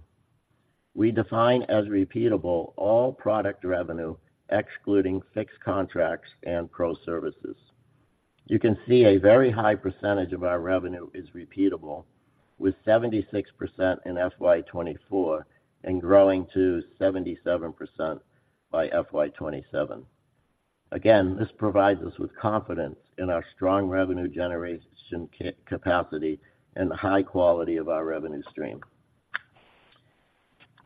We define as repeatable all product revenue, excluding fixed contracts and pro services. You can see a very high percentage of our revenue is repeatable, with 76% in FY 2024 and growing to 77% by FY 2027. Again, this provides us with confidence in our strong revenue generation capacity and the high quality of our revenue stream.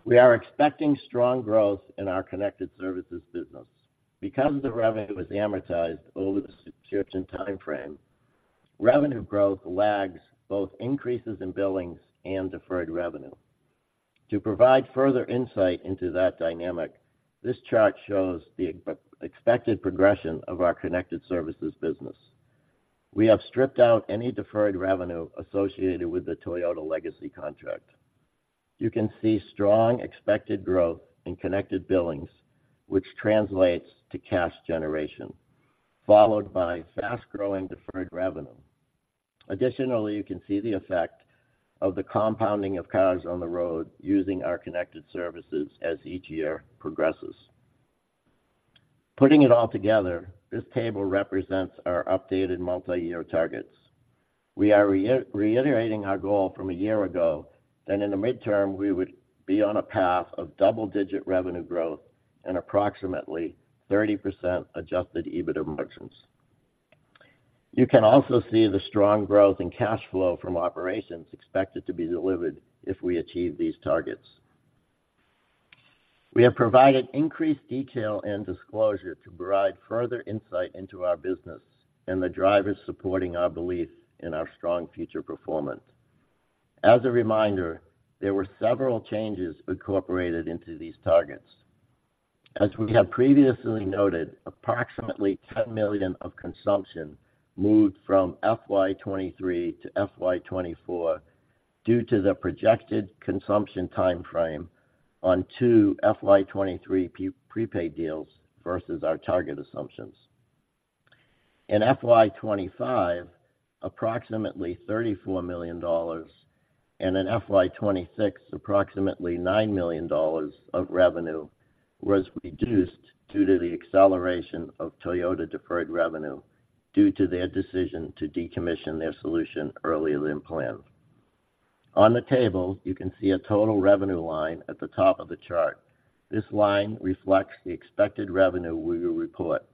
We are expecting strong growth in our connected services business. Because the revenue is amortized over the subscription time frame, revenue growth lags both increases in billings and deferred revenue. To provide further insight into that dynamic, this chart shows the expected progression of our connected services business. We have stripped out any deferred revenue associated with the Toyota Legacy contract. You can see strong expected growth in connected billings, which translates to cash generation, followed by fast-growing deferred revenue. Additionally, you can see the effect of the compounding of cars on the road using our connected services as each year progresses. Putting it all together, this table represents our updated multi-year targets. We are reiterating our goal from a year ago that in the midterm, we would be on a path of double-digit revenue growth and approximately 30% adjusted EBITDA margins. You can also see the strong growth in cash flow from operations expected to be delivered if we achieve these targets. We have provided increased detail and disclosure to provide further insight into our business and the drivers supporting our belief in our strong future performance. As a reminder, there were several changes incorporated into these targets. As we have previously noted, approximately 10 million of consumption moved from FY 2023 to FY 2024 due to the projected consumption time frame on two FY 2023 prepaid deals versus our target assumptions. In FY 2025, approximately $34 million, and in FY 2026, approximately $9 million of revenue was reduced due to the acceleration of Toyota deferred revenue, due to their decision to decommission their solution earlier than planned. On the table, you can see a total revenue line at the top of the chart. This line reflects the expected revenue we will report.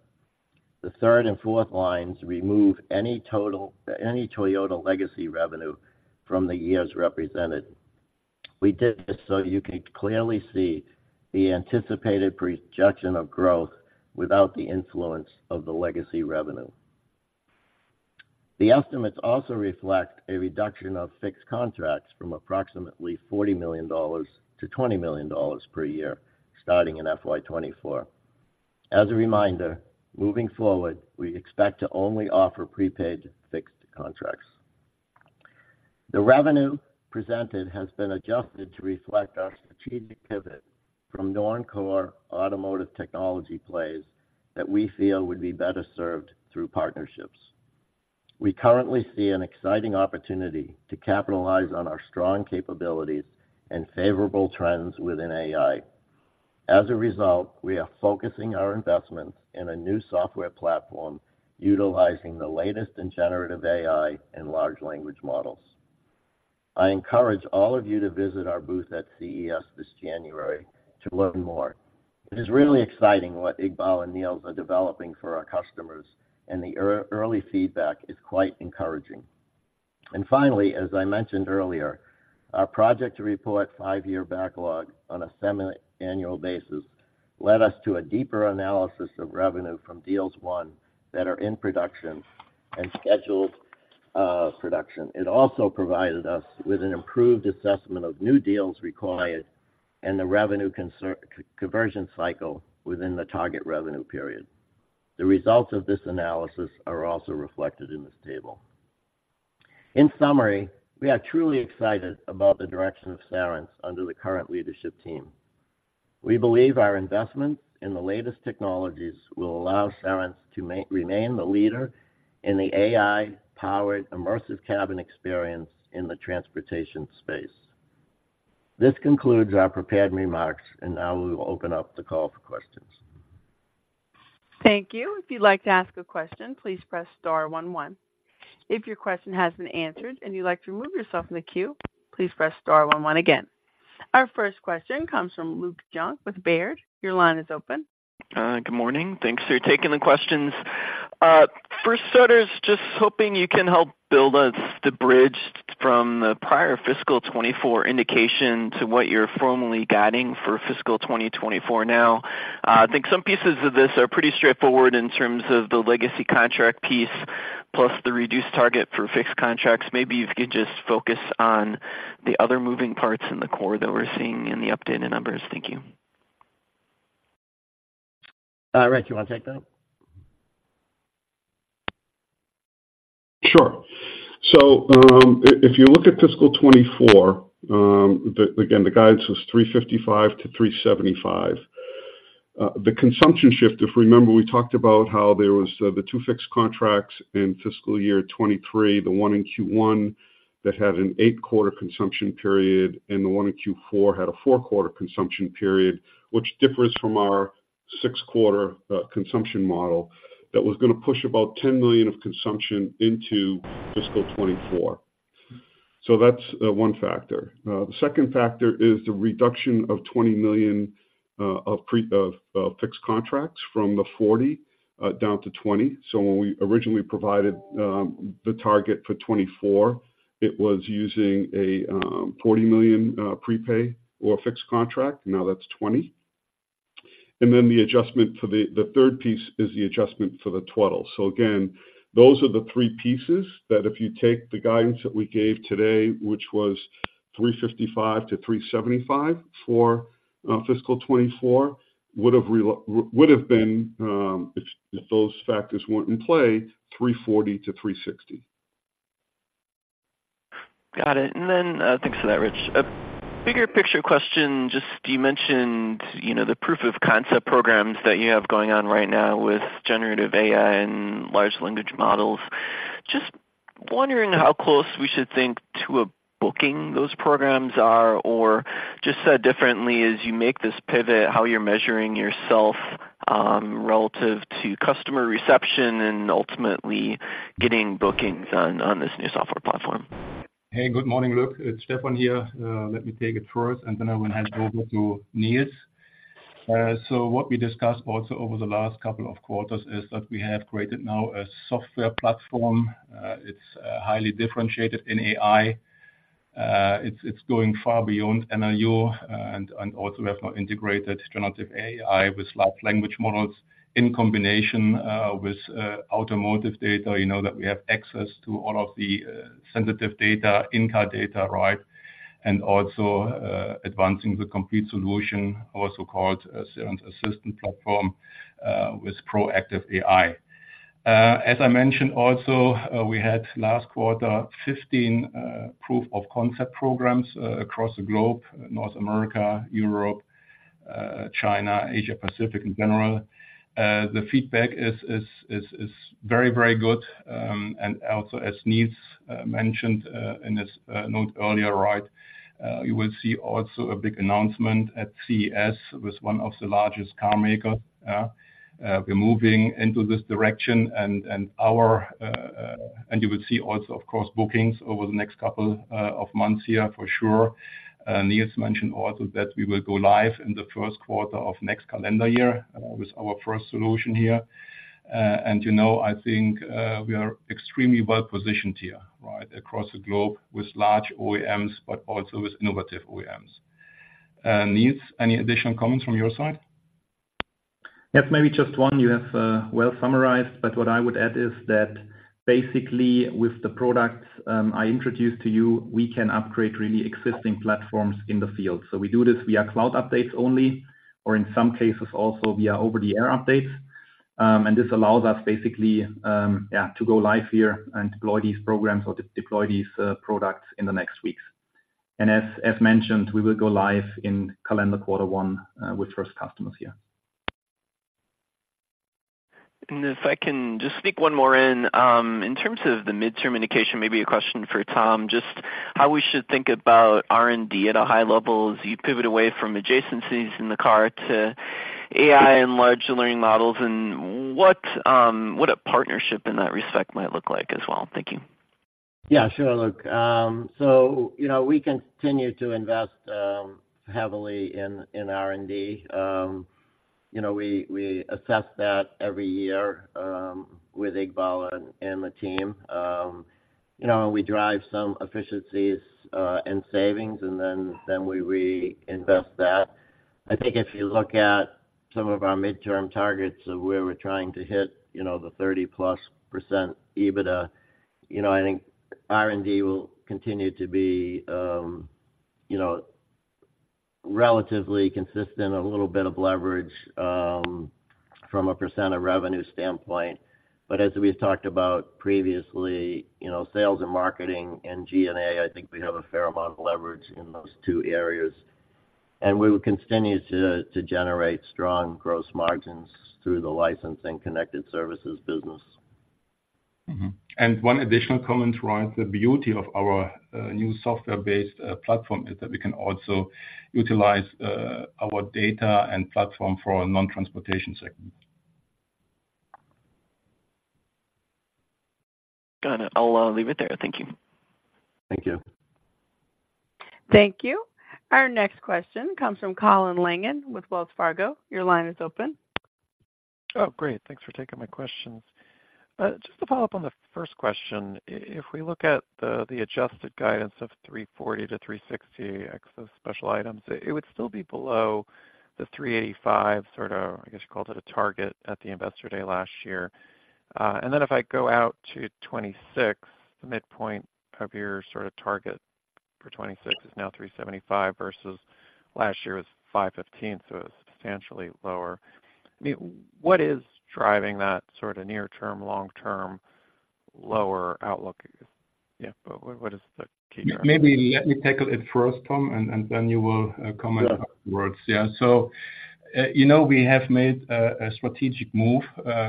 The third and fourth lines remove any Toyota legacy revenue from the years represented. We did this so you can clearly see the anticipated projection of growth without the influence of the legacy revenue. The estimates also reflect a reduction of fixed contracts from approximately $40 million to $20 million per year, starting in FY 2024. As a reminder, moving forward, we expect to only offer prepaid fixed contracts. The revenue presented has been adjusted to reflect our strategic pivot from non-core automotive technology plays that we feel would be better served through partnerships. We currently see an exciting opportunity to capitalize on our strong capabilities and favorable trends within AI. As a result, we are focusing our investments in a new software platform utilizing the latest in generative AI and large language models. I encourage all of you to visit our booth at CES this January to learn more. It is really exciting what Iqbal and Nils are developing for our customers, and the early feedback is quite encouraging. Finally, as I mentioned earlier, our project to report five-year backlog on a semi-annual basis led us to a deeper analysis of revenue from deals won that are in production and scheduled production. It also provided us with an improved assessment of new deals required and the revenue conversion cycle within the target revenue period. The results of this analysis are also reflected in this table. In summary, we are truly excited about the direction of Cerence under the current leadership team. We believe our investment in the latest technologies will allow Cerence to remain the leader in the AI-powered immersive cabin experience in the transportation space. This concludes our prepared remarks, and now we will open up the call for questions. Thank you. If you'd like to ask a question, please press star one, one. If your question has been answered and you'd like to remove yourself from the queue, please press star one, one again. Our first question comes from Luke Junk with Baird. Your line is open. Good morning. Thanks for taking the questions. For starters, just hoping you can help build us the bridge from the prior fiscal 2024 indication to what you're formally guiding for fiscal 2024 now. I think some pieces of this are pretty straightforward in terms of the legacy contract piece, plus the reduced target for fixed contracts. Maybe if you could just focus on the other moving parts in the core that we're seeing in the updated numbers? Thank you. Rich, you want to take that? Sure. So, if you look at fiscal 2024, again, the guidance was $355 million-$375 million. The consumption shift, if you remember, we talked about how there was the two fixed contracts in fiscal year 2023, the one in Q1 that had an eight-quarter consumption period, and the one in Q4 had a four-quarter consumption period, which differs from our six-quarter consumption model that was going to push about $10 million of consumption into fiscal 2024. So that's one factor. The second factor is the reduction of $20 million of prepaid fixed contracts from the $40 million down to $20 million. So when we originally provided the target for 2024, it was using a $40 million prepay or a fixed contract. Now that's $20 million. Then the adjustment for the third piece is the adjustment for the twaddle. Again, those are the three pieces that if you take the guidance that we gave today, which was $355 million-$375 million for fiscal 2024, would have been, if those factors weren't in play, $340 million-$360 million. Got it. And then, thanks for that, Rich. A bigger picture question, just you mentioned, you know, the proof of concept programs that you have going on right now with generative AI and large language models. Just wondering how close we should think to a booking those programs are, or just said differently, as you make this pivot, how you're measuring yourself relative to customer reception and ultimately getting bookings on this new software platform? Hey, good morning, Luke, it's Stefan here. Let me take it first, and then I will hand over to Nils. So what we discussed also over the last couple of quarters is that we have created now a software platform. It's highly differentiated in AI. It's going far beyond NLU, and also we have now integrated generative AI with large language models in combination with automotive data, you know, that we have access to all of the sensitive data, in-car data, right? And also, advancing the complete solution, also called a Cerence Assistant Platform, with proactive AI. As I mentioned also, we had last quarter, 15 proof of concept programs across the globe, North America, Europe, China, Asia Pacific in general. The feedback is very, very good. And also, as Nils mentioned, in his note earlier, right, you will see also a big announcement at CES with one of the largest carmakers. We're moving into this direction and you will see also, of course, bookings over the next couple of months here, for sure. Nils mentioned also that we will go live in the first quarter of next calendar year with our first solution here. And you know, I think, we are extremely well positioned here, right, across the globe with large OEMs, but also with innovative OEMs. Nils, any additional comments from your side? Yes, maybe just one. You have, well summarized, but what I would add is that basically, with the products I introduced to you, we can upgrade really existing platforms in the field. So we do this via cloud updates only, or in some cases, also, via over-the-air updates. And this allows us basically, to go live here and deploy these programs or deploy these, products in the next weeks. And as, as mentioned, we will go live in calendar quarter one, with first customers here. If I can just sneak one more in. In terms of the midterm indication, maybe a question for Tom, just how we should think about R&D at a high level as you pivot away from adjacencies in the car to AI and large learning models, and what, what a partnership in that respect might look like as well? Thank you. Yeah, sure, Luke. So, you know, we continue to invest heavily in R&D. You know, we assess that every year with Iqbal and the team. You know, we drive some efficiencies and savings, and then we reinvest that. I think if you look at some of our midterm targets of where we're trying to hit, you know, the 30%+ EBITDA, you know, I think R&D will continue to be, you know, relatively consistent, a little bit of leverage from a percent of revenue standpoint. But as we've talked about previously, you know, sales and marketing and G&A, I think we have a fair amount of leverage in those two areas. And we will continue to generate strong gross margins through the licensing connected services business. Mm-hmm. And one additional comment, right? The beauty of our new software-based platform is that we can also utilize our data and platform for a non-transportation segment. Got it. I'll leave it there. Thank you. Thank you. Thank you. Our next question comes from Colin Langan with Wells Fargo. Your line is open. Oh, great. Thanks for taking my questions. Just to follow-up on the first question, if we look at the adjusted guidance of $340 million-$360 million ex special items, it would still be below the $385 million, sort of, I guess, you called it a target at the Investor Day last year. And then if I go out to 2026, the midpoint of your sort of target for 2026 is now $375 million versus last year was $515 million, so it's substantially lower. I mean, what is driving that sort of near term, long term lower outlook? Yeah, but what is the key driver? Maybe let me tackle it first, Tom, and then you will comment- Yeah... afterwards. Yeah. So, you know, we have made a strategic move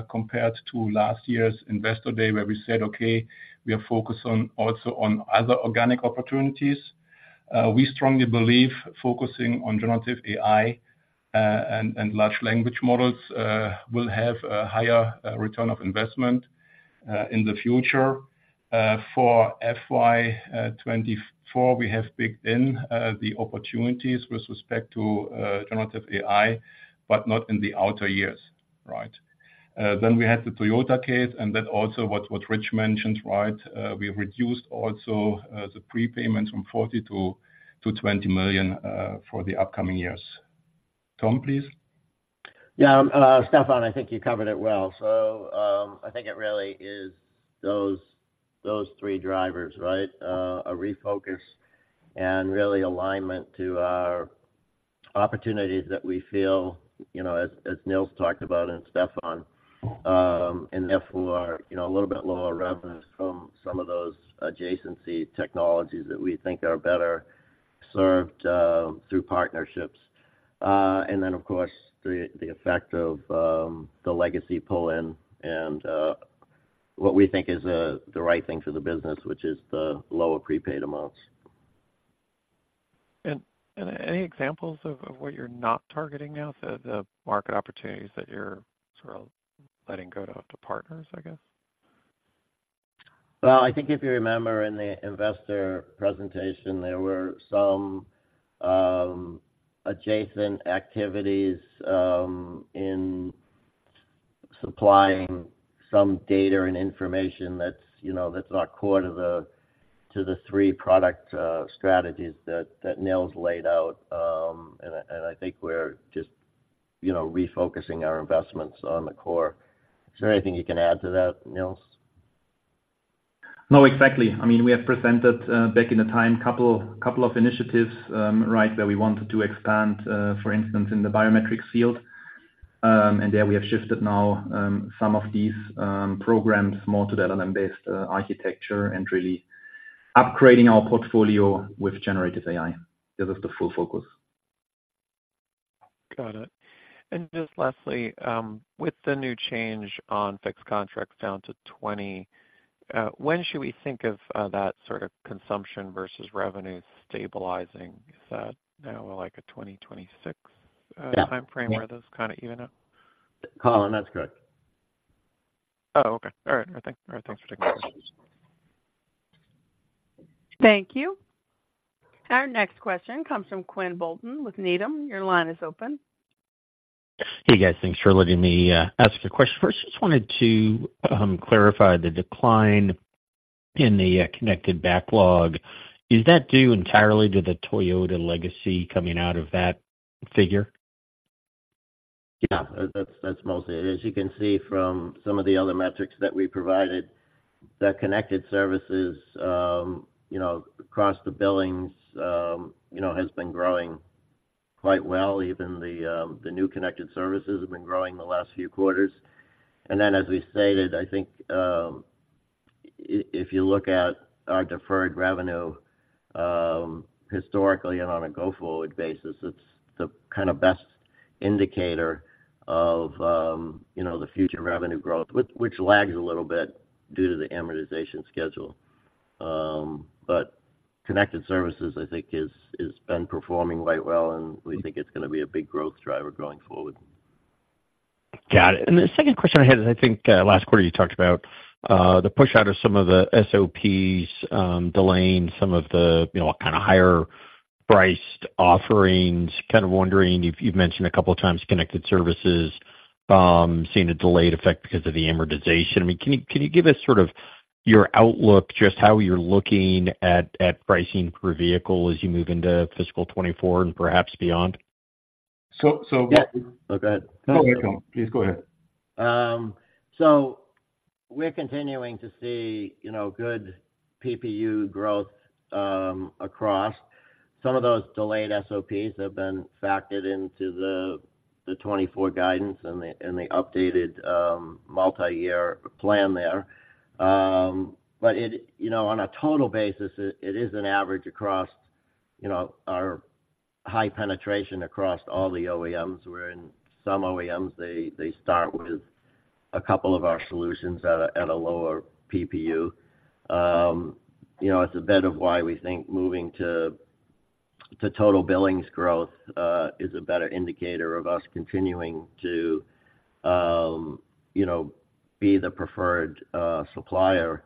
compared to last year's Investor Day, where we said, "Okay, we are focused on, also on other organic opportunities." We strongly believe focusing on generative AI and large language models will have a higher return of investment in the future. For FY 2024, we have baked in the opportunities with respect to generative AI, but not in the outer years, right? Then we had the Toyota case, and then also what Rich mentioned, right? We reduced also the prepayment from $40 million to $20 million for the upcoming years. Tom, please? Yeah, Stefan, I think you covered it well. So, I think it really is those, those three drivers, right? A refocus and really alignment to our opportunities that we feel, you know, as Nils talked about and Stefan, and therefore, are, you know, a little bit lower revenue from some of those adjacency technologies that we think are better served through partnerships. And then, of course, the effect of the legacy pull-in and what we think is the right thing for the business, which is the lower prepaid amounts. Any examples of what you're not targeting now, so the market opportunities that you're sort of letting go off to partners, I guess? Well, I think if you remember in the investor presentation, there were some adjacent activities supplying some data and information that's, you know, that's not core to the three product strategies that Nils laid out. I think we're just, you know, refocusing our investments on the core. Is there anything you can add to that, Nils? No, exactly. I mean, we have presented back in the time, couple of initiatives, right, that we wanted to expand, for instance, in the biometrics field. There we have shifted now some of these programs more to the LLM-based architecture and really upgrading our portfolio with generative AI. This is the full focus. Got it. And just lastly, with the new change on fixed contracts down to $20 million, when should we think of that sort of consumption versus revenue stabilizing? Is that now like a 2026- Yeah timeframe where those kinda even up? Colin, that's correct. Oh, okay. All right, thank you. All right, thanks for taking my questions. Thank you. Our next question comes from Quinn Bolton with Needham. Your line is open. Hey, guys. Thanks for letting me ask a question. First, just wanted to clarify the decline in the connected backlog. Is that due entirely to the Toyota legacy coming out of that figure? Yeah, that's mostly it. As you can see from some of the other metrics that we provided, the connected services, you know, across the billings, you know, has been growing quite well. Even the new connected services have been growing the last few quarters. And then, as we stated, I think, if you look at our deferred revenue, historically and on a go-forward basis, it's the kind of best indicator of, you know, the future revenue growth, which lags a little bit due to the amortization schedule. But connected services, I think, has been performing quite well, and we think it's gonna be a big growth driver going forward. Got it. And the second question I had is, I think, last quarter you talked about the push out of some of the SOPs, delaying some of the, you know, kind of higher-priced offerings. Kind of wondering, you've, you've mentioned a couple of times connected services, seeing a delayed effect because of the amortization. I mean, can you, can you give us sort of your outlook, just how you're looking at, at pricing per vehicle as you move into fiscal 2024 and perhaps beyond? So, so- Yeah. Oh, go ahead. No, you go. Please go ahead. So we're continuing to see, you know, good PPU growth across. Some of those delayed SOPs have been factored into the 2024 guidance and the updated multiyear plan there. But you know, on a total basis, it is an average across, you know, our high penetration across all the OEMs, wherein some OEMs they start with a couple of our solutions at a lower PPU. You know, it's a bit of why we think moving to total billings growth is a better indicator of us continuing to, you know, be the preferred supplier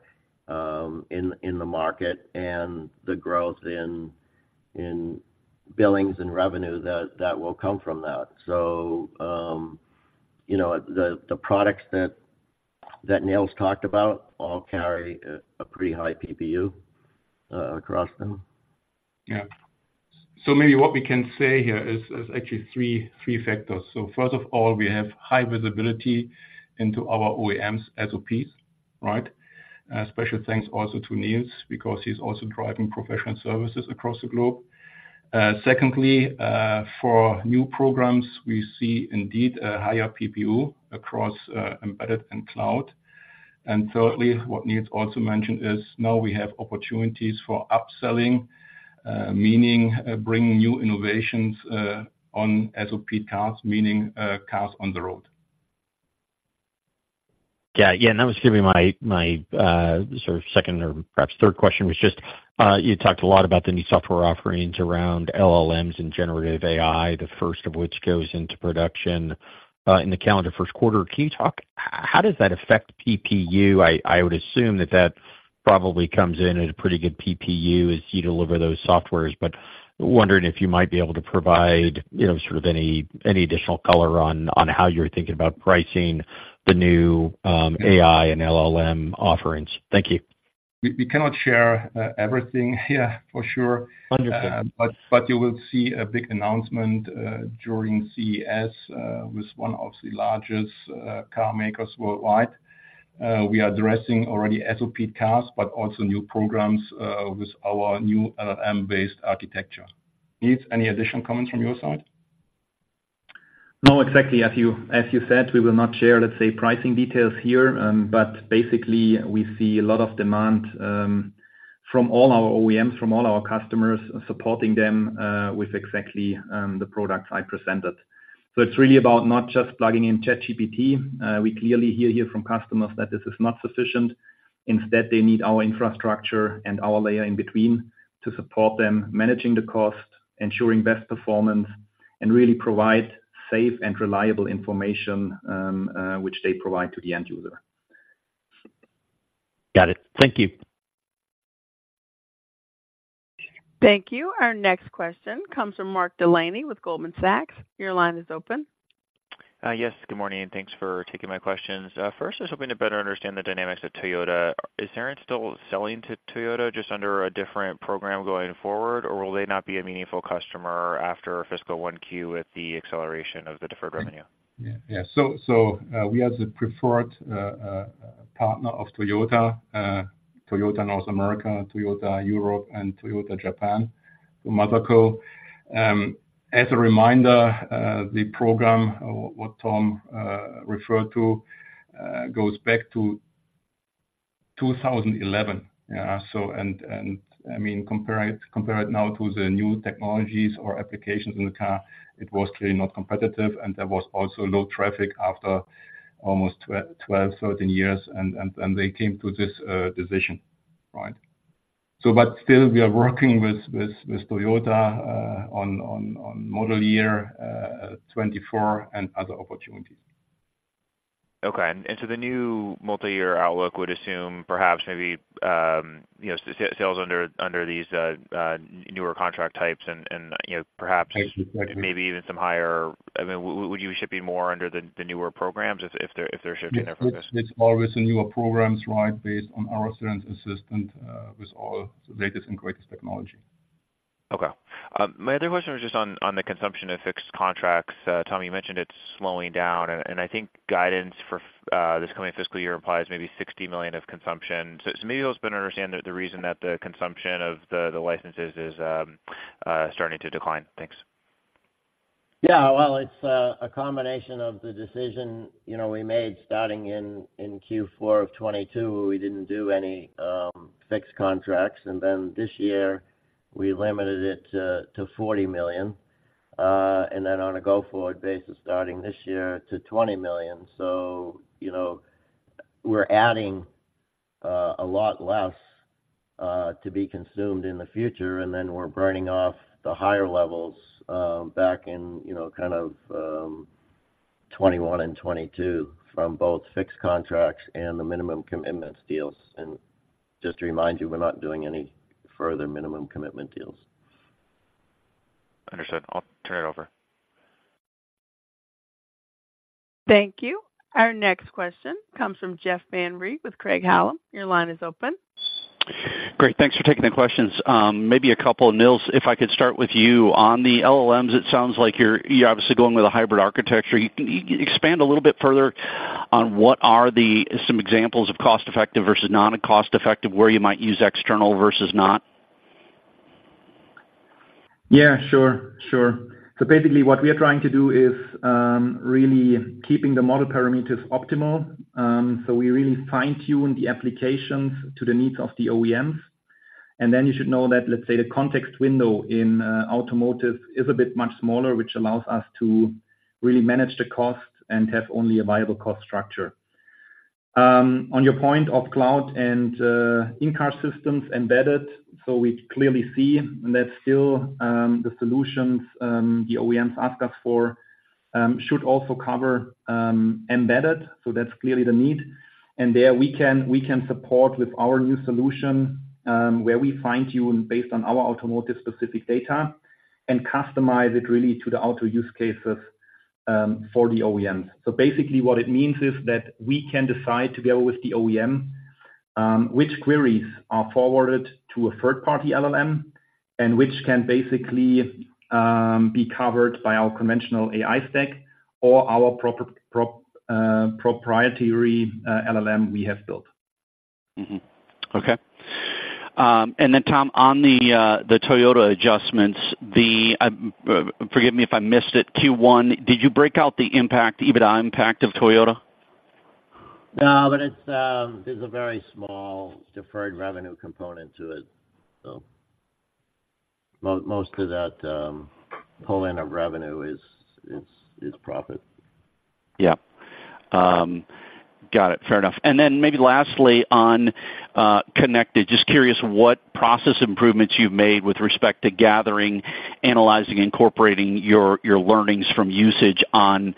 in the market, and the growth in billings and revenue that will come from that. You know, the products that Nils talked about all carry a pretty high PPU across them. Yeah. So maybe what we can say here is actually three factors. So first of all, we have high visibility into our OEMs SOPs, right? Special thanks also to Nils, because he's also driving professional services across the globe. Secondly, for new programs, we see indeed a higher PPU across embedded and cloud. And thirdly, what Nils also mentioned is now we have opportunities for upselling, meaning, bringing new innovations on SOP cars, meaning cars on the road. Yeah. Yeah, and that was gonna be my sort of second or perhaps third question, was just you talked a lot about the new software offerings around LLMs and generative AI, the first of which goes into production in the calendar first quarter. Can you talk... How does that affect PPU? I would assume that that probably comes in at a pretty good PPU as you deliver those softwares, but wondering if you might be able to provide, you know, sort of any additional color on how you're thinking about pricing the new AI and LLM offerings. Thank you. We cannot share everything here for sure. Understood. But you will see a big announcement during CES with one of the largest car makers worldwide. We are addressing already SOP cars, but also new programs with our new LLM-based architecture. Nils, any additional comments from your side? No, exactly. As you, as you said, we will not share, let's say, pricing details here, but basically, we see a lot of demand from all our OEMs, from all our customers, supporting them with exactly the products I presented. So it's really about not just plugging in ChatGPT. We clearly hear here from customers that this is not sufficient. Instead, they need our infrastructure and our layer in between to support them, managing the cost, ensuring best performance, and really provide safe and reliable information, which they provide to the end user. Got it. Thank you. Thank you. Our next question comes from Mark Delaney with Goldman Sachs. Your line is open. Yes, good morning, and thanks for taking my questions. First, just hoping to better understand the dynamics of Toyota. Is Cerence still selling to Toyota just under a different program going forward, or will they not be a meaningful customer after fiscal 1Q with the acceleration of the deferred revenue? Yeah. So, we are the preferred partner of Toyota, Toyota North America, Toyota Europe, and Toyota Japan, the mother company. As a reminder, the program, what Tom referred to, goes back to 2011. Yeah, so, and I mean, compare it now to the new technologies or applications in the car, it was clearly not competitive, and there was also low traffic after almost 12, 13 years, and they came to this decision, right? But still, we are working with Toyota on model year 2024 and other opportunities. Okay. And so the new multi-year outlook would assume perhaps maybe, you know, sales under these newer contract types and, you know, perhaps maybe even some higher... I mean, would you ship it more under the newer programs if they're shifting there from this? It's always the newer programs, right, based on our strength and system, with all the latest and greatest technology. Okay. My other question was just on the consumption of fixed contracts. Tom, you mentioned it's slowing down, and I think guidance for this coming fiscal year implies maybe $60 million of consumption. So maybe it's to understand that the reason that the consumption of the licenses is starting to decline? Thanks. Yeah, well, it's a combination of the decision, you know, we made starting in Q4 of 2022. We didn't do any fixed contracts, and then this year we limited it to $40 million, and then on a go-forward basis, starting this year to $20 million. So, you know, we're adding a lot less to be consumed in the future, and then we're burning off the higher levels back in, you know, kind of 2021 and 2022 from both fixed contracts and the minimum commitments deals. And just to remind you, we're not doing any further minimum commitment deals. Understood. I'll turn it over. Thank you. Our next question comes from Jeff Van Rhee with Craig-Hallum. Your line is open. Great. Thanks for taking the questions. Maybe a couple of Nils, if I could start with you. On the LLMs, it sounds like you're, you're obviously going with a hybrid architecture. Can you expand a little bit further on what are the, some examples of cost-effective versus non-cost effective, where you might use external versus not? Yeah, sure. Sure. So basically, what we are trying to do is really keeping the model parameters optimal. So we really fine-tune the applications to the needs of the OEMs. And then you should know that, let's say, the context window in automotive is a bit much smaller, which allows us to really manage the cost and have only a viable cost structure. On your point of cloud and in-car systems embedded, so we clearly see that still the solutions the OEMs ask us for should also cover embedded. So that's clearly the need. And there, we can support with our new solution where we fine-tune based on our automotive specific data and customize it really to the auto use cases for the OEMs. So basically, what it means is that we can decide together with the OEM, which queries are forwarded to a third-party LLM, and which can basically be covered by our conventional AI stack or our proprietary LLM we have built. Mm-hmm. Okay. And then, Tom, on the Toyota adjustments, forgive me if I missed it, Q1, did you break out the impact, EBITDA impact of Toyota? No, but it's, there's a very small deferred revenue component to it. So most of that whole end of revenue is profit. Yeah. Got it. Fair enough. And then maybe lastly, on connected, just curious what process improvements you've made with respect to gathering, analyzing, incorporating your, your learnings from usage on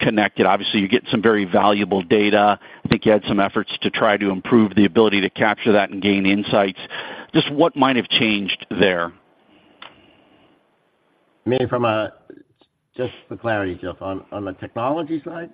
connected. Obviously, you get some very valuable data. I think you had some efforts to try to improve the ability to capture that and gain insights. Just what might have changed there? Maybe from a. Just for clarity, Jeff, on the technology side?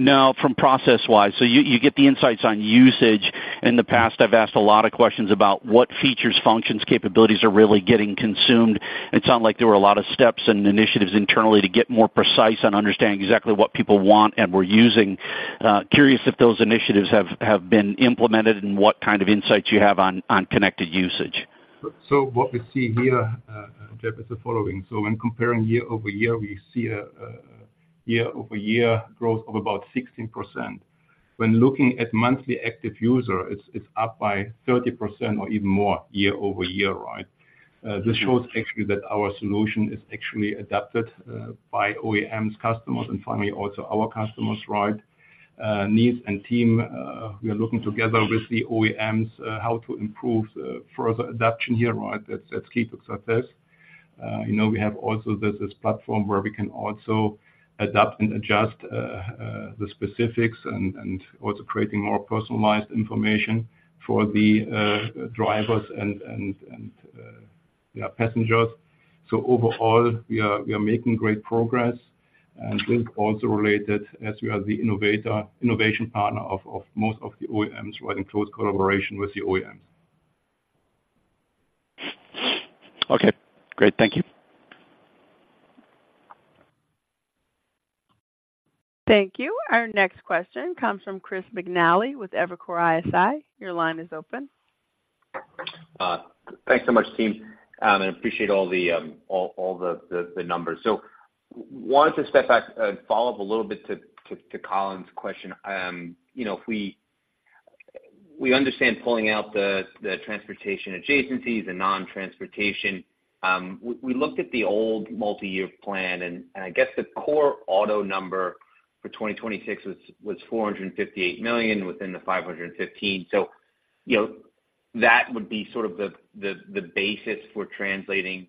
No, from process-wise. So you get the insights on usage. In the past, I've asked a lot of questions about what features, functions, capabilities are really getting consumed. It sounded like there were a lot of steps and initiatives internally to get more precise on understanding exactly what people want and were using. Curious if those initiatives have been implemented and what kind of insights you have on connected usage. So what we see here, Jeff, is the following. So when comparing year-over-year, we see a year-over-year growth of about 16%. When looking at monthly active user, it's up by 30% or even more year-over-year, right? This shows actually that our solution is actually adapted by OEMs, customers, and finally, also our customers right. Needs and team, we are looking together with the OEMs how to improve further adoption here, right? That's key to success. You know, we have also there's this platform where we can also adapt and adjust the specifics and also creating more personalized information for the drivers and yeah, passengers. So overall, we are making great progress, and this also related as we are the innovation partner of most of the OEMs, who are in close collaboration with the OEMs. Okay, great. Thank you. Thank you. Our next question comes from Chris McNally with Evercore ISI. Your line is open. Thanks so much, team. I appreciate all the numbers. So wanted to step back and follow-up a little bit to Colin's question. You know, if we understand pulling out the transportation adjacencies and non-transportation. We looked at the old multi-year plan, and I guess the core auto number for 2026 was $458 million within the $515 million. So, you know, that would be sort of the basis for translating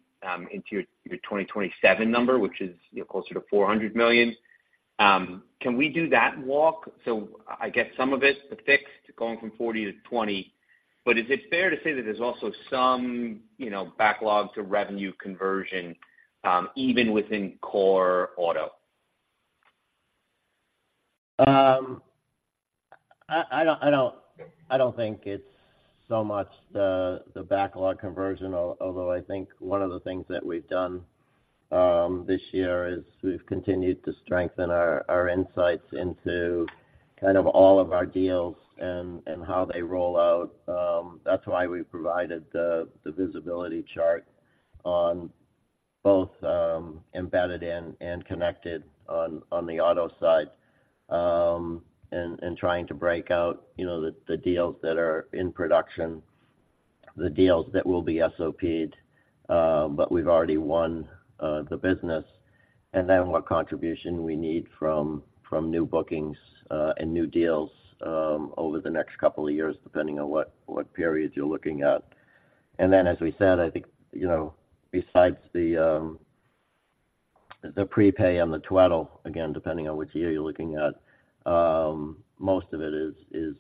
into your 2027 number, which is, you know, closer to $400 million. Can we do that walk? So I get some of it, the fixed, going from $40 million to $20 million. But is it fair to say that there's also some, you know, backlog to revenue conversion, even within core auto? I don't think it's so much the backlog conversion, although I think one of the things that we've done this year is we've continued to strengthen our insights into kind of all of our deals and how they roll out. That's why we provided the visibility chart on both embedded and connected on the auto side. And trying to break out, you know, the deals that are in production, the deals that will be SOP, but we've already won the business, and then what contribution we need from new bookings and new deals over the next couple of years, depending on what period you're looking at. Then, as we said, I think, you know, besides the prepay on the Toyota, again, depending on which year you're looking at, most of it is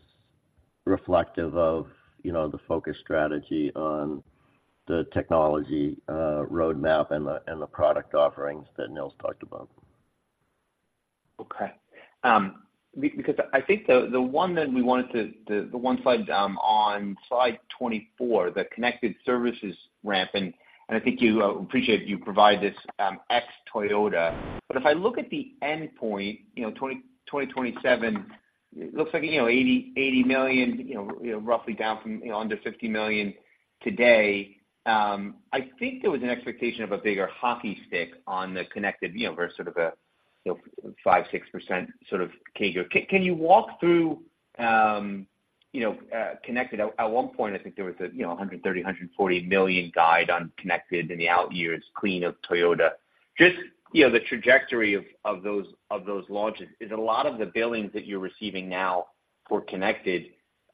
reflective of, you know, the focus strategy on the technology roadmap and the product offerings that Nils talked about. Okay. Because I think the one that we wanted to the one slide on Slide 24, the connected services ramping, and I think you appreciate you provide this ex-Toyota. But if I look at the endpoint, you know, 2027, it looks like, you know, $80 million, you know, roughly down from, you know, under $50 million today. I think there was an expectation of a bigger hockey stick on the connected, you know, versus sort of a, you know, 5%-6% sort of CAGR. Can you walk through, you know, connected? At one point, I think there was a, you know, a $130 million-$140 million guide on connected in the out years, clean of Toyota. Just, you know, the trajectory of those launches, is a lot of the billings that you're receiving now for connected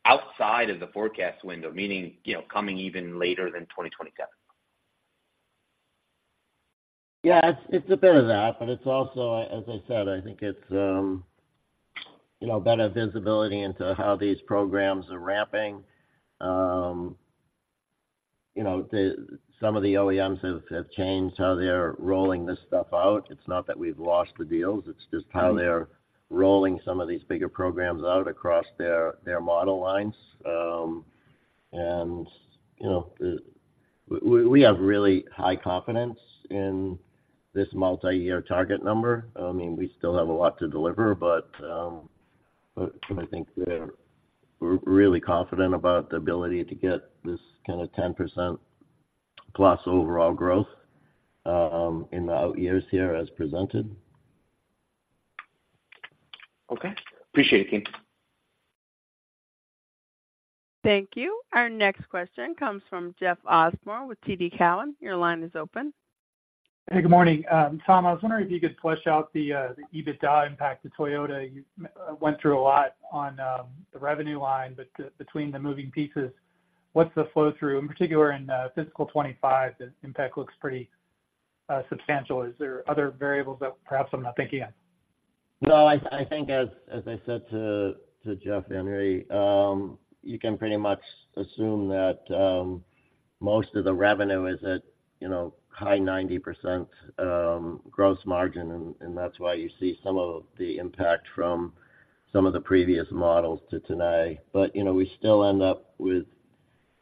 outside of the forecast window, meaning, you know, coming even later than 2027? Yeah, it's a bit of that, but it's also, as I said, I think it's you know, better visibility into how these programs are ramping. You know, some of the OEMs have changed how they're rolling this stuff out. It's not that we've lost the deals, it's just how they're rolling some of these bigger programs out across their model lines. And, you know, we have really high confidence in this multi-year target number. I mean, we still have a lot to deliver, but I think we're really confident about the ability to get this kind of 10%+ overall growth in the out years here as presented. Okay. Appreciate it, team. Thank you. Our next question comes from Jeff Osborne with TD Cowen. Your line is open. Hey, good morning. Tom, I was wondering if you could flesh out the, the EBITDA impact to Toyota. You went through a lot on the revenue line, but between the moving pieces, what's the flow-through, in particular in fiscal 2025, the impact looks pretty substantial. Is there other variables that perhaps I'm not thinking of? No, I think as I said to Jeff Henry, you can pretty much assume that most of the revenue is at, you know, high 90% gross margin, and that's why you see some of the impact from some of the previous models to today. But, you know, we still end up with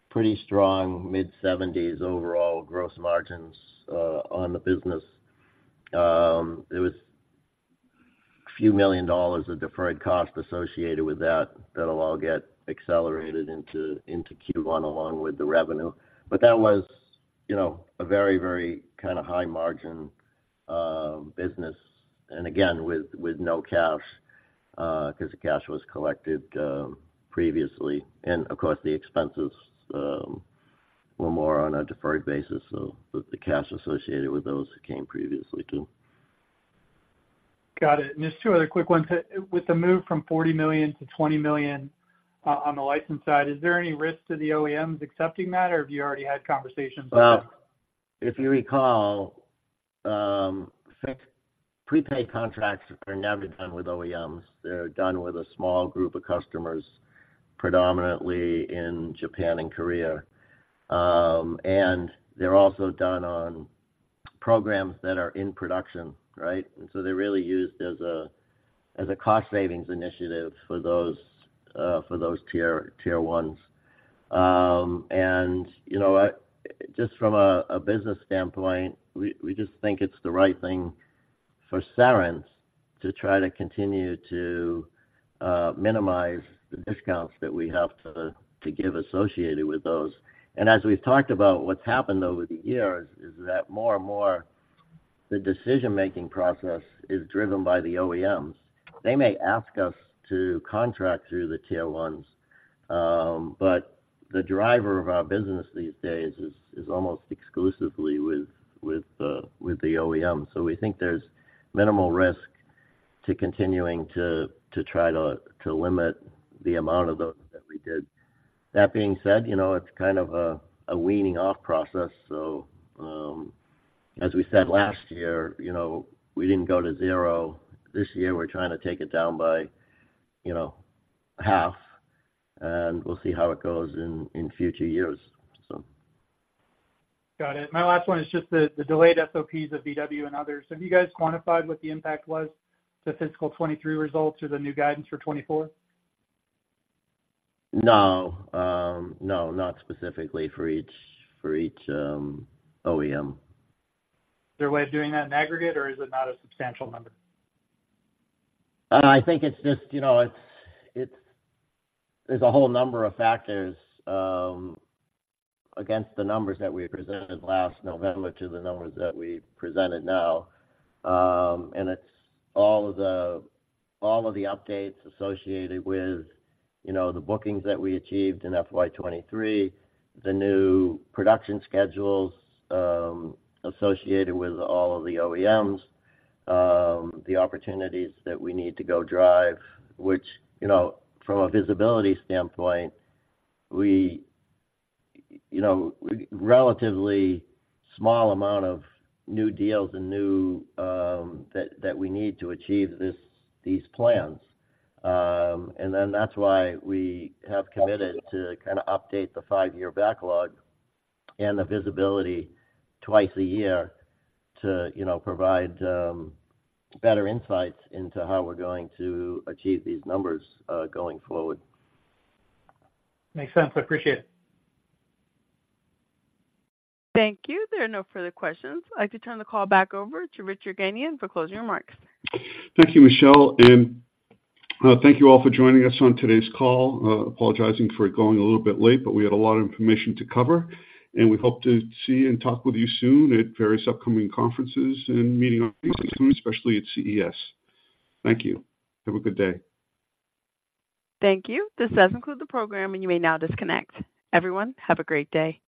pretty strong mid-70s overall gross margins on the business. It was a few million dollars of deferred cost associated with that, that'll all get accelerated into Q1 along with the revenue. But that was, you know, a very, very kinda high margin business, and again, with no cash 'cause the cash was collected previously. And of course, the expenses were more on a deferred basis, so the cash associated with those came previously, too.... Got it. And just two other quick ones. With the move from $40 million to $20 million on the license side, is there any risk to the OEMs accepting that, or have you already had conversations with them? Well, if you recall, prepaid contracts are never done with OEMs. They're done with a small group of customers, predominantly in Japan and Korea. And they're also done on programs that are in production, right? And so they're really used as a, as a cost savings initiative for those, for those Tier 1s. And, you know, just from a, a business standpoint, we, we just think it's the right thing for Cerence to try to continue to, minimize the discounts that we have to, to give associated with those. And as we've talked about, what's happened over the years is that more and more, the decision-making process is driven by the OEMs. They may ask us to contract through the Tier 1s, but the driver of our business these days is, is almost exclusively with, with, with the OEMs. So we think there's minimal risk to continuing to try to limit the amount of those that we did. That being said, you know, it's kind of a weaning off process, so, as we said last year, you know, we didn't go to zero. This year, we're trying to take it down by, you know, half, and we'll see how it goes in future years, so. Got it. My last one is just the delayed SOPs of VW and others. Have you guys quantified what the impact was to fiscal 2023 results or the new guidance for 2024? No. No, not specifically for each OEM. Is there a way of doing that in aggregate, or is it not a substantial number? I think it's just, you know, it's, it's there's a whole number of factors against the numbers that we presented last November to the numbers that we presented now. And it's all of the, all of the updates associated with, you know, the bookings that we achieved in FY 2023, the new production schedules associated with all of the OEMs, the opportunities that we need to go drive, which, you know, from a visibility standpoint, we, you know, relatively small amount of new deals and new, that, that we need to achieve this, these plans. And then that's why we have committed to kind of update the five-year backlog and the visibility twice a year to, you know, provide better insights into how we're going to achieve these numbers going forward. Makes sense. I appreciate it. Thank you. There are no further questions. I'd like to turn the call back over to Richard Yerganian for closing remarks. Thank you, Michelle, and, thank you all for joining us on today's call. Apologizing for it going a little bit late, but we had a lot of information to cover, and we hope to see and talk with you soon at various upcoming conferences and meeting on, especially at CES. Thank you. Have a good day. Thank you. This does conclude the program, and you may now disconnect. Everyone, have a great day.